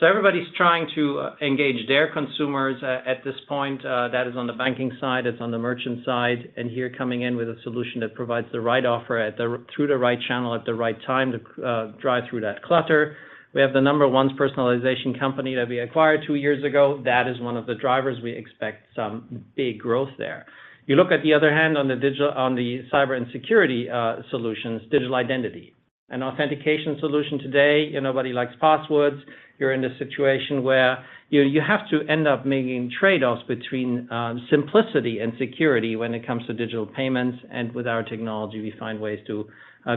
So everybody's trying to engage their consumers at this point, that is on the banking side, it's on the merchant side, and here coming in with a solution that provides the right offer through the right channel at the right time to drive through that clutter. We have the number one personalization company that we acquired two years ago. That is one of the drivers. We expect some big growth there. You look at the other hand on the cyber and security solutions, digital identity. An authentication solution today, you know, nobody likes passwords. You're in a situation where you have to end up making trade-offs between simplicity and security when it comes to digital payments. And with our technology, we find ways to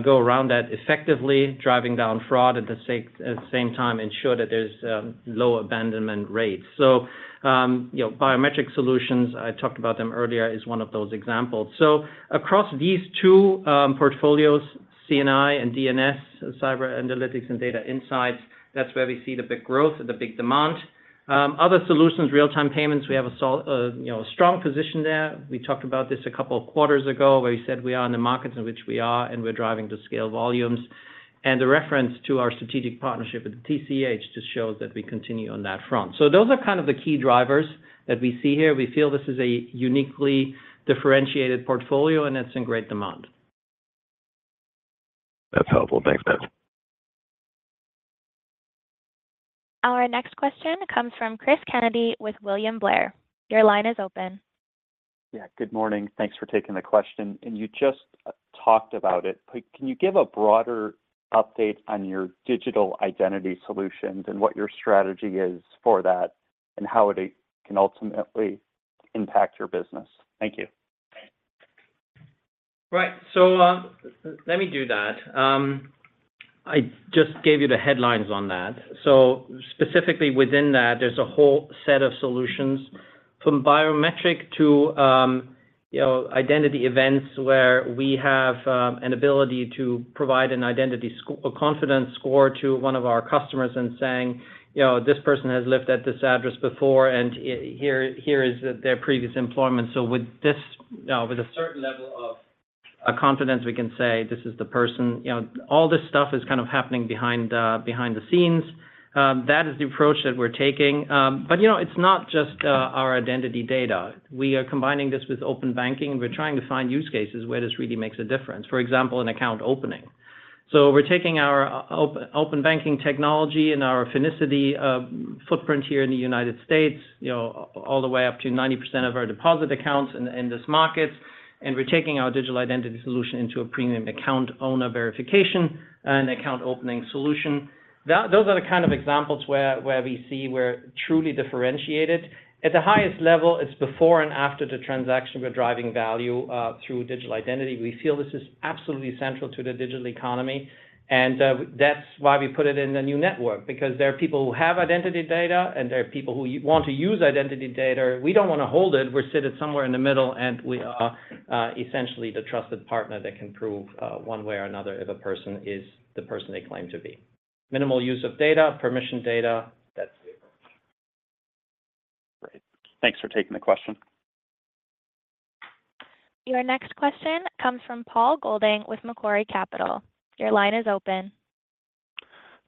go around that effectively, driving down fraud, at the same time, ensure that there's low abandonment rates. So you know, biometric solutions, I talked about them earlier, is one of those examples. So across these two portfolios, C&I and D&S, cyber analytics and data insights, that's where we see the big growth and the big demand. Other solutions, real-time payments, we have a, you know, a strong position there. We talked about this a couple of quarters ago, where we said we are in the markets in which we are, and we're driving to scale volumes. The reference to our strategic partnership with the TCH just shows that we continue on that front. So those are kind of the key drivers that we see here. We feel this is a uniquely differentiated portfolio, and it's in great demand. That's helpful. Thanks, guys. Our next question comes from Cris Kennedy with William Blair. Your line is open. Yeah, good morning. Thanks for taking the question. You just talked about it, but can you give a broader update on your digital identity solutions and what your strategy is for that, and how it can ultimately impact your business? Thank you. Right. So, let me do that. I just gave you the headlines on that. So specifically within that, there's a whole set of solutions, from biometric to, you know, identity events where we have an ability to provide an identity, a confidence score to one of our customers and saying, "You know, this person has lived at this address before, and here is their previous employment." So with this, with a certain level of confidence we can say, this is the person. You know, all this stuff is kind of happening behind the scenes. That is the approach that we're taking. But, you know, it's not just our identity data. We are combining this Open Banking. we're trying to find use cases where this really makes a difference, for example, in account opening. So we're taking Open Banking technology and our Finicity footprint here in the United States, you know, all the way up to 90% of our deposit accounts in this market, and we're taking our digital identity solution into a premium account owner verification and account opening solution. Those are the kind of examples where we see we're truly differentiated. At the highest level, it's before and after the transaction, we're driving value through digital identity. We feel this is absolutely central to the digital economy, and that's why we put it in the new network, because there are people who have identity data, and there are people who want to use identity data. We don't want to hold it. We're seated somewhere in the middle, and we are, essentially the trusted partner that can prove, one way or another if a person is the person they claim to be. Minimal use of data, permission data, that's it. Great. Thanks for taking the question. Your next question comes from Paul Golding with Macquarie Capital. Your line is open.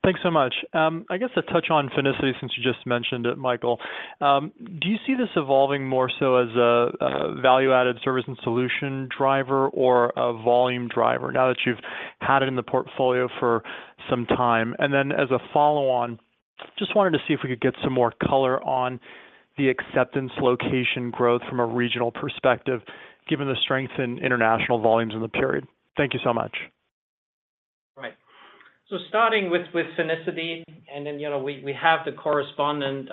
Thanks so much. I guess to touch on Finicity, since you just mentioned it, Michael, do you see this evolving more so as a, a value-added service and solution driver or a volume driver, now that you've had it in the portfolio for some time? And then as a follow-on, just wanted to see if we could get some more color on the acceptance location growth from a regional perspective, given the strength in international volumes in the period. Thank you so much. Right. So starting with Finicity, and then, you know, we have the corresponding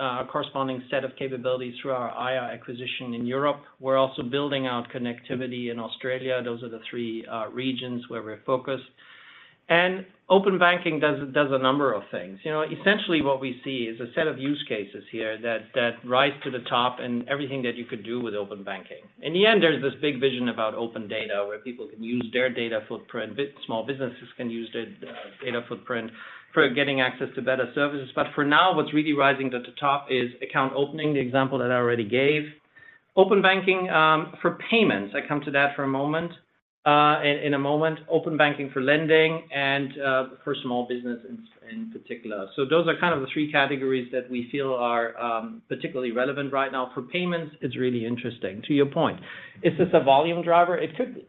set of capabilities through our Aiia acquisition in Europe. We're also building out connectivity in Australia. Those are the three regions where we're focused. Open Banking does a number of things. You know, essentially, what we see is a set of use cases here that rise to the top and everything that you could do Open Banking. in the end, there's this big vision about open data, where people can use their data footprint; small businesses can use their data footprint for getting access to better services. But for now, what's really rising to the top is account opening, the example that I already gave. Open Banking for payments, I come to that for a moment, in a Open Banking for lending and for small businesses in particular. So those are kind of the three categories that we feel are particularly relevant right now. For payments, it's really interesting. To your point, is this a volume driver? It could be.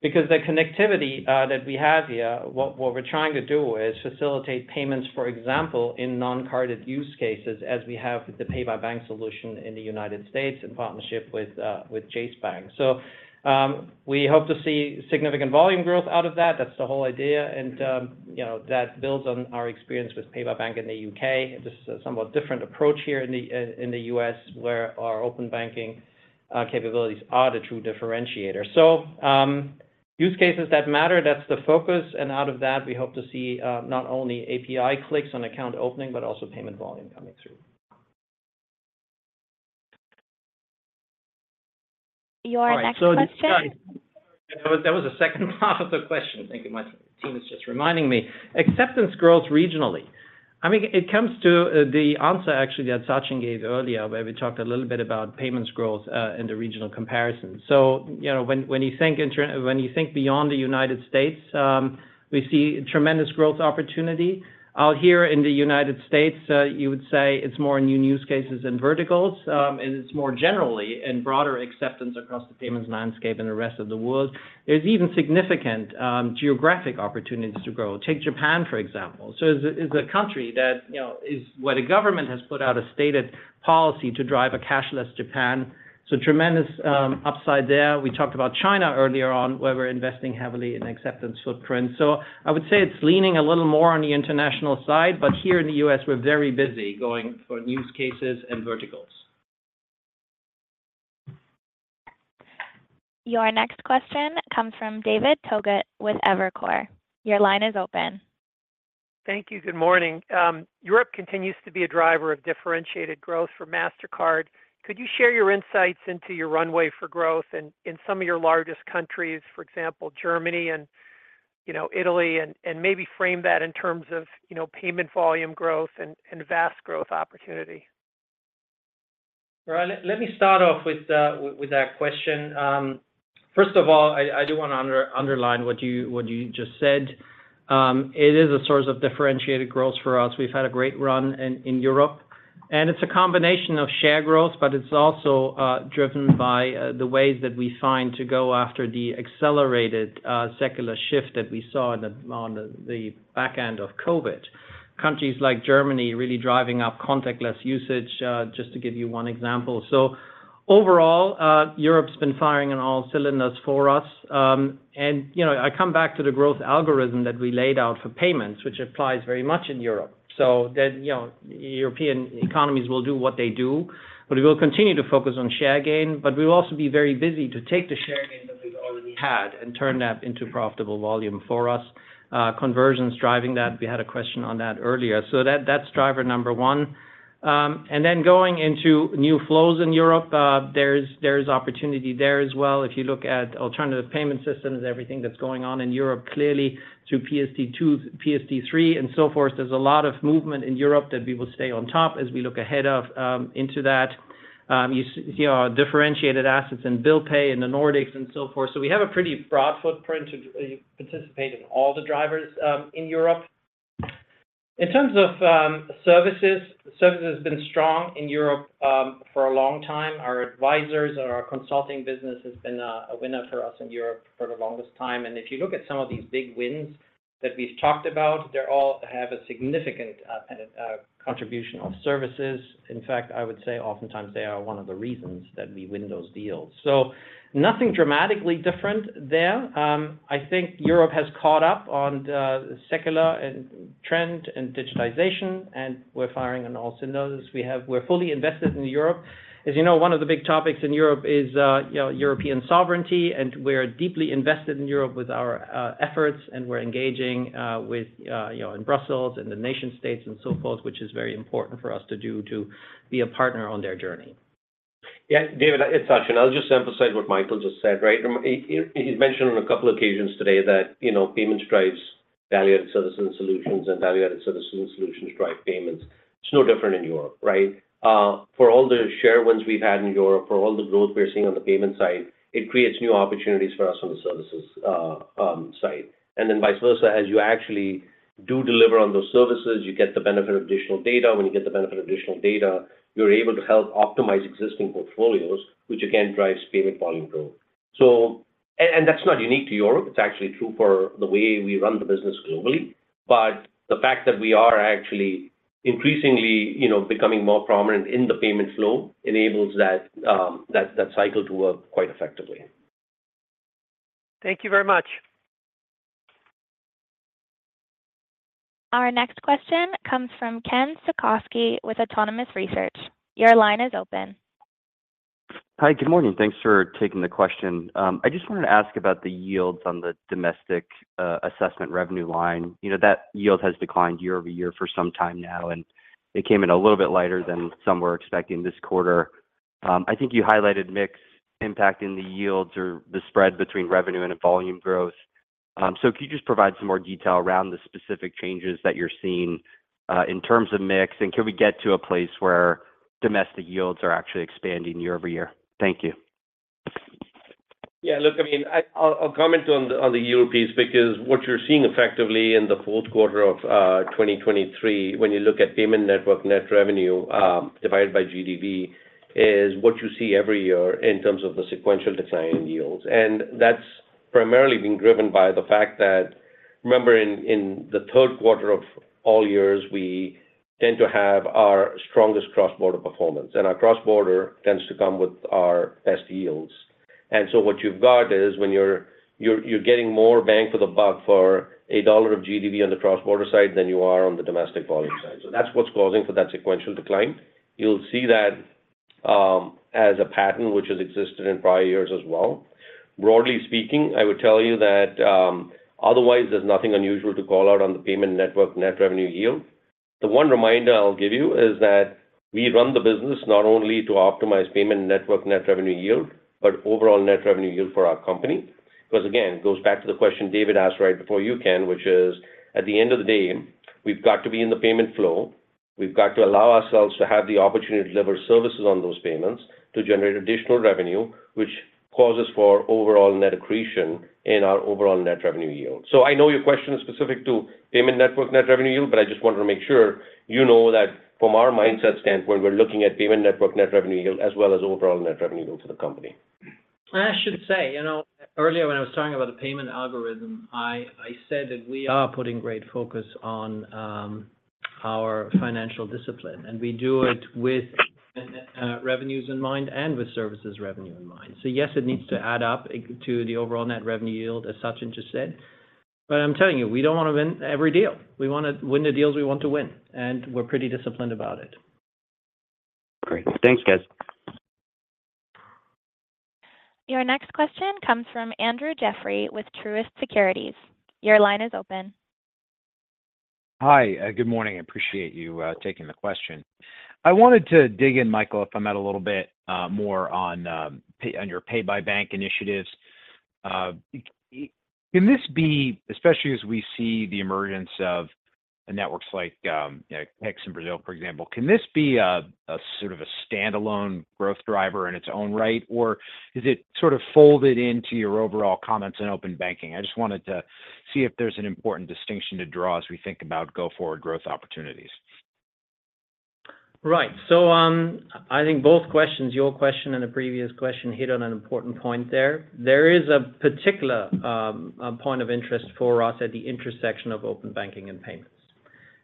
Because the connectivity that we have here, what we're trying to do is facilitate payments, for example, in non-carded use cases, as we have with the Pay by Bank solution in the United States in partnership with Chase Bank. So, we hope to see significant volume growth out of that. That's the whole idea, and you know, that builds on our experience with Pay by Bank in the UK. This is a somewhat different approach here in the, in the U.S., where Open Banking capabilities are the true differentiator. So, use cases that matter, that's the focus, and out of that, we hope to see not only API clicks on account opening, but also payment volume coming through. Your next question- There was a second part of the question. Thank you. My team is just reminding me. Acceptance growth regionally. I mean, it comes to the answer actually that Sachin gave earlier, where we talked a little bit about payments growth in the regional comparison. So, you know, when you think beyond the United States, we see tremendous growth opportunity. Out here in the United States, you would say it's more new use cases than verticals, and it's more generally and broader acceptance across the payments landscape than the rest of the world. There's even significant geographic opportunities to grow. Take Japan, for example. So it's a country that, you know, is where the government has put out a stated policy to drive a cashless Japan, so tremendous upside there. We talked about China earlier on, where we're investing heavily in acceptance footprint. So I would say it's leaning a little more on the international side, but here in the U.S., we're very busy going for use cases and verticals. Your next question comes from David Togut with Evercore. Your line is open. Thank you. Good morning. Europe continues to be a driver of differentiated growth for Mastercard. Could you share your insights into your runway for growth and in some of your largest countries, for example, Germany and, you know, Italy, and maybe frame that in terms of, you know, payment volume growth and vast growth opportunity? Well, let me start off with that question. First of all, I do want to underline what you just said. It is a source of differentiated growth for us. We've had a great run in Europe, and it's a combination of share growth, but it's also driven by the ways that we find to go after the accelerated secular shift that we saw on the back end of COVID. Countries like Germany, really driving up contactless usage, just to give you one example. So overall, Europe's been firing on all cylinders for us, and, you know, I come back to the growth algorithm that we laid out for payments, which applies very much in Europe. So then, you know, European economies will do what they do, but we will continue to focus on share gain, but we will also be very busy to take the share gain that we've already had and turn that into profitable volume for us. Conversions driving that, we had a question on that earlier. So that, that's driver number one. And then going into new flows in Europe, there's opportunity there as well. If you look at alternative payment systems, everything that's going on in Europe, clearly through PSD2, PSD3, and so forth, there's a lot of movement in Europe that we will stay on top as we look ahead into that. You see our differentiated assets in Bill Pay in the Nordics and so forth. So we have a pretty broad footprint to participate in all the drivers in Europe. In terms of services, services has been strong in Europe for a long time. Our advisors and our consulting business has been a winner for us in Europe for the longest time. And if you look at some of these big wins that we've talked about, they all have a significant contribution of services. In fact, I would say oftentimes they are one of the reasons that we win those deals. So nothing dramatically different there. I think Europe has caught up on the secular and trend and digitization, and we're firing on all cylinders. We're fully invested in Europe. As you know, one of the big topics in Europe is, you know, European sovereignty, and we're deeply invested in Europe with our efforts, and we're engaging with, you know, in Brussels and the nation-states and so forth, which is very important for us to do to be a partner on their journey. Yeah, David, it's Sachin. I'll just emphasize what Michael just said, right? He's mentioned on a couple occasions today that, you know, payments drives value-added services and solutions, and value-added services and solutions drive payments. It's no different in Europe, right? For all the share wins we've had in Europe, for all the growth we're seeing on the payment side, it creates new opportunities for us on the services side. And then vice versa, as you actually do deliver on those services, you get the benefit of additional data. When you get the benefit of additional data, you're able to help optimize existing portfolios, which again, drives payment volume growth. So, and that's not unique to Europe. It's actually true for the way we run the business globally. But the fact that we are actually increasingly, you know, becoming more prominent in the payment flow, enables that cycle to work quite effectively. Thank you very much. Our next question comes from Ken Suchoski with Autonomous Research. Your line is open. Hi, good morning. Thanks for taking the question. I just wanted to ask about the yields on the domestic, assessment revenue line. You know, that yield has declined year-over-year for some time now, and it came in a little bit lighter than some were expecting this quarter. I think you highlighted mix impact in the yields or the spread between revenue and volume growth. So could you just provide some more detail around the specific changes that you're seeing, in terms of mix? And can we get to a place where domestic yields are actually expanding year-over-year? Thank you. Yeah, look, I mean, I'll comment on the yield piece, because what you're seeing effectively in the fourth quarter of 2023, when you look at payment network net revenue divided by GDV, is what you see every year in terms of the sequential decline in yields. And that's primarily being driven by the fact that, remember, in the third quarter of all years, we tend to have our strongest cross-border performance, and our cross-border tends to come with our best yields. And so what you've got is when you're getting more bang for the buck for a dollar of GDV on the cross-border side than you are on the domestic volume side. So that's what's causing that sequential decline. You'll see that as a pattern which has existed in prior years as well. Broadly speaking, I would tell you that otherwise, there's nothing unusual to call out on the payment network net revenue yield. The one reminder I'll give you is that we run the business not only to optimize payment network net revenue yield, but overall net revenue yield for our company. Because, again, it goes back to the question David asked right before you, Ken, which is, at the end of the day, we've got to be in the payment flow. We've got to allow ourselves to have the opportunity to deliver services on those payments to generate additional revenue, which causes for overall net accretion in our overall net revenue yield. I know your question is specific to payment network net revenue yield, but I just wanted to make sure you know that from our mindset standpoint, we're looking at payment network net revenue yield, as well as overall net revenue yield for the company. I should say, you know, earlier, when I was talking about the payment algorithm, I said that we are putting great focus on our financial discipline, and we do it with revenues in mind and with services revenue in mind. So yes, it needs to add up to the overall net revenue yield, as Sachin just said, but I'm telling you, we don't want to win every deal. We want to win the deals we want to win, and we're pretty disciplined about it. Great. Thanks, guys. Your next question comes from Andrew Jeffrey with Truist Securities. Your line is open. Hi. Good morning. I appreciate you taking the question. I wanted to dig in, Michael, if I might, a little bit more on your Pay by Bank initiatives. Can this be, especially as we see the emergence of the networks like, you know, Pix in Brazil, for example, a sort of a standalone growth driver in its own right, or is it sort of folded into your overall comments Open Banking? i just wanted to see if there's an important distinction to draw as we think about go-forward growth opportunities. Right. So, I think both questions, your question and the previous question, hit on an important point there. There is a particular point of interest for us at the intersection Open Banking and payments.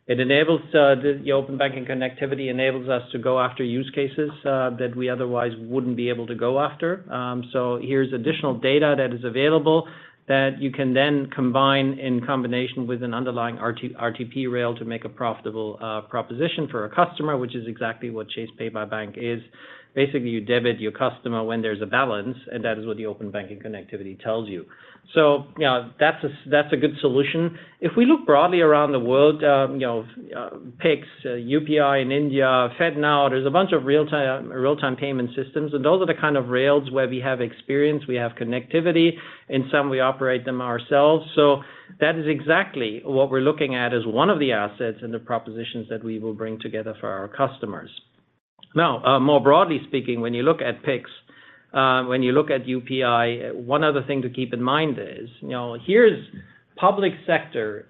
It enables Open Banking connectivity enables us to go after use cases that we otherwise wouldn't be able to go after. So here's additional data that is available that you can then combine in combination with an underlying RTP rail to make a profitable proposition for a customer, which is exactly what Chase Pay by Bank is. Basically, you debit your customer when there's a balance, and that is what Open Banking connectivity tells you. So you know, that's a, that's a good solution. If we look broadly around the world, you know, Pix, UPI in India, FedNow, there's a bunch of real-time, real-time payment systems, and those are the kind of rails where we have experience, we have connectivity. In some, we operate them ourselves. So that is exactly what we're looking at as one of the assets and the propositions that we will bring together for our customers. Now, more broadly speaking, when you look at Pix, when you look at UPI, one other thing to keep in mind is, you know, here's public sector,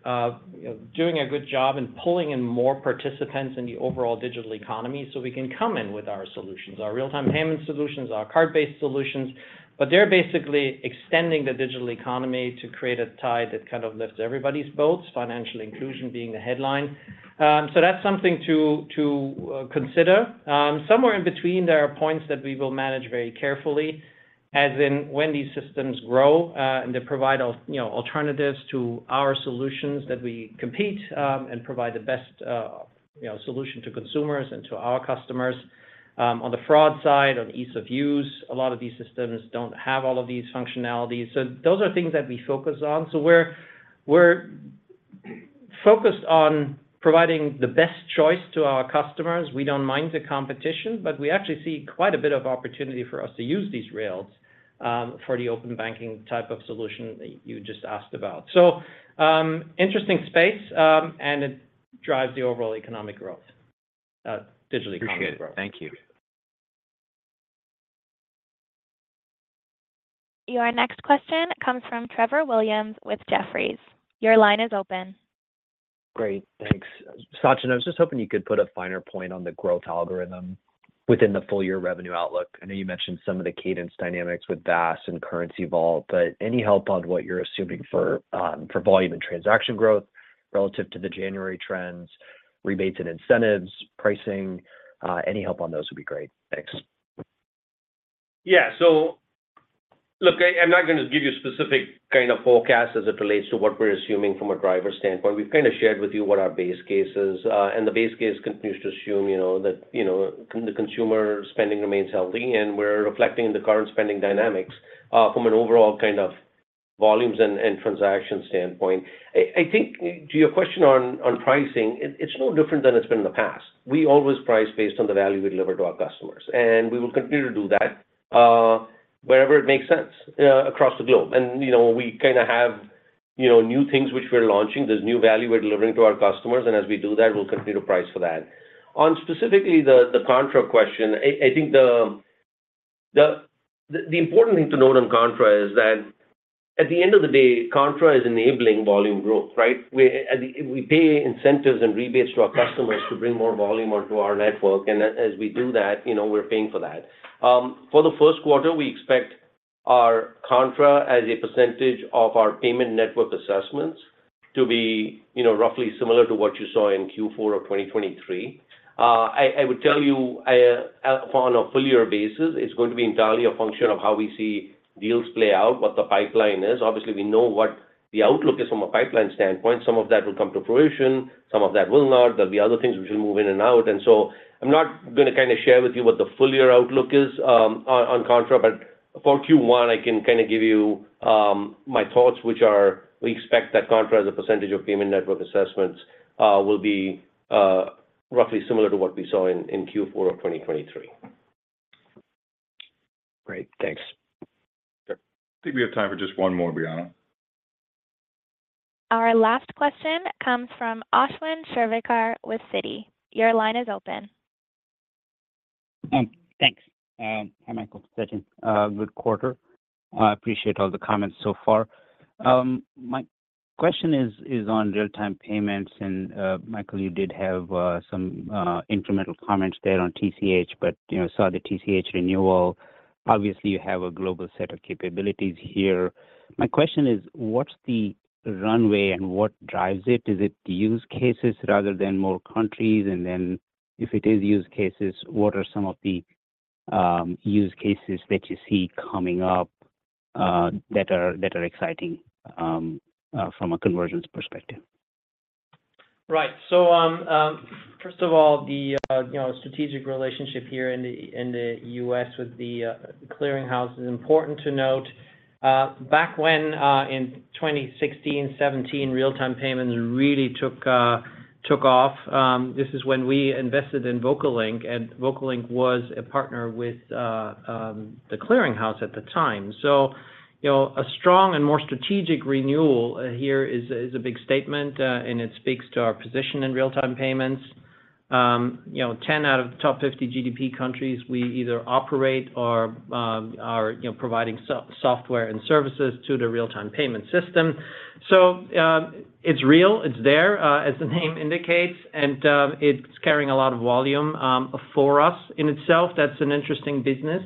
doing a good job in pulling in more participants in the overall digital economy, so we can come in with our solutions, our real-time payment solutions, our card-based solutions, but they're basically extending the digital economy to create a tide that kind of lifts everybody's boats, financial inclusion being the headline. So that's something to consider. Somewhere in between, there are points that we will manage very carefully, as in when these systems grow, and they provide us, you know, alternatives to our solutions, that we compete, and provide the best, you know, solution to consumers and to our customers. On the fraud side, on ease of use, a lot of these systems don't have all of these functionalities. So those are things that we focus on. So we're focused on providing the best choice to our customers. We don't mind the competition, but we actually see quite a bit of opportunity for us to use these rails, for Open Banking type of solution that you just asked about. So, interesting space, and it drives the overall economic growth, digital economic growth. Appreciate it. Thank you. Your next question comes from Trevor Williams with Jefferies. Your line is open. Great. Thanks. Sachin, I was just hoping you could put a finer point on the growth algorithm within the full-year revenue outlook. I know you mentioned some of the cadence dynamics with VAS and currency BOB, but any help on what you're assuming for volume and transaction growth relative to the January trends, rebates and incentives, pricing? Any help on those would be great. Thanks. Yeah. So look, I'm not going to give you specific kind of forecast as it relates to what we're assuming from a driver standpoint. We've kinda shared with you what our base case is, and the base case continues to assume, you know, that, you know, the consumer spending remains healthy, and we're reflecting the current spending dynamics from an overall kind of volumes and transaction standpoint. I think to your question on pricing, it's no different than it's been in the past. We always price based on the value we deliver to our customers, and we will continue to do that wherever it makes sense across the globe. And, you know, we kinda have, you know, new things which we're launching. There's new value we're delivering to our customers, and as we do that, we'll continue to price for that. On specifically the Contra question, I think the important thing to note on contra is that at the end of the day, Contra is enabling volume growth, right? We and we pay incentives and rebates to our customers to bring more volume onto our network, and as we do that, you know, we're paying for that. For the first quarter, we expect our Contra as a percentage of our payment network assessments to be, you know, roughly similar to what you saw in Q4 of 2023. I would tell you, on a full year basis, it's going to be entirely a function of how we see deals play out, what the pipeline is. Obviously, we know what the outlook is from a pipeline standpoint. Some of that will come to fruition, some of that will not. There'll be other things which will move in and out. And so I'm not going to kinda share with you what the full year outlook is, on Contra, but for Q1, I can kinda give you my thoughts, which are, we expect that Contra, as a percentage of payment network assessments, will be roughly similar to what we saw in Q4 of 2023. Great. Thanks. Sure. I think we have time for just one more, Brianna. Our last question comes from Ashwin Shirvaikar with Citi. Your line is open. Thanks, and hi, Michael, Sachin. Good quarter. I appreciate all the comments so far. My question is on real-time payments, and, Michael, you did have some instrumental comments there on TCH, but, you know, saw the TCH renewal. Obviously, you have a global set of capabilities here. My question is, what's the runway and what drives it? Is it use cases rather than more countries? And then, if it is use cases, what are some of the use cases that you see coming up, that are exciting, from a convergence perspective? Right. So, first of all, you know, strategic relationship here in the, in the U.S. with The Clearing House is important to note. Back when, in 2016, 2017, real-time payments really took off, this is when we invested in VocaLink, and VocaLink was a partner with The Clearing House at the time. So, you know, a strong and more strategic renewal here is a big statement, and it speaks to our position in real-time payments. You know, 10 out of the top 50 GDP countries, we either operate or are, you know, providing software and services to the real-time payment system. So, it's real, it's there, as the name indicates, and, it's carrying a lot of volume, for us. In itself, that's an interesting business,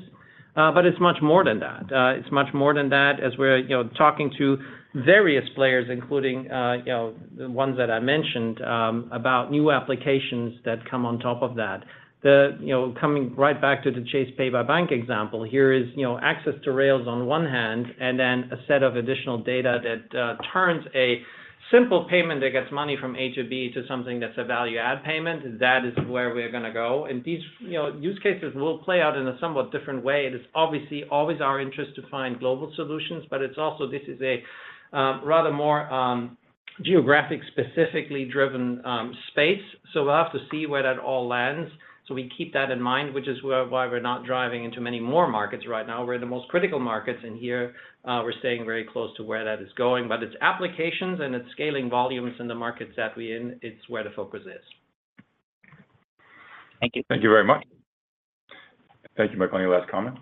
but it's much more than that. It's much more than that as we're, you know, talking to various players, including, you know, the ones that I mentioned, about new applications that come on top of that. You know, coming right back to the Chase Pay by Bank example, here is, you know, access to rails on one hand, and then a set of additional data that turns a simple payment that gets money from A to B to something that's a value-add payment. That is where we're gonna go. And these, you know, use cases will play out in a somewhat different way. It is obviously always our interest to find global solutions, but it's also, this is a rather more geographic, specifically driven space, so we'll have to see where that all lands. So we keep that in mind, which is why we're not driving into many more markets right now. We're in the most critical markets, and here, we're staying very close to where that is going. But it's applications and it's scaling volumes in the markets that we're in, it's where the focus is. Thank you. Thank you very much. Thank you, Michael. Any last comments?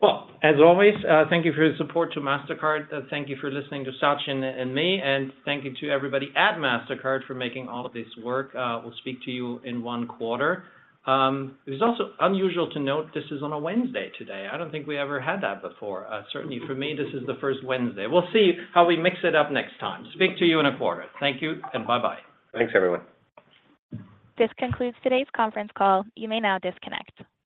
Well, as always, thank you for your support to Mastercard. Thank you for listening to Sachin and me, and thank you to everybody at Mastercard for making all of this work. We'll speak to you in one quarter. It's also unusual to note this is on a Wednesday today. I don't think we ever had that before. Certainly for me, this is the first Wednesday. We'll see how we mix it up next time. Speak to you in a quarter. Thank you, and bye-bye. Thanks, everyone. This concludes today's conference call. You may now disconnect.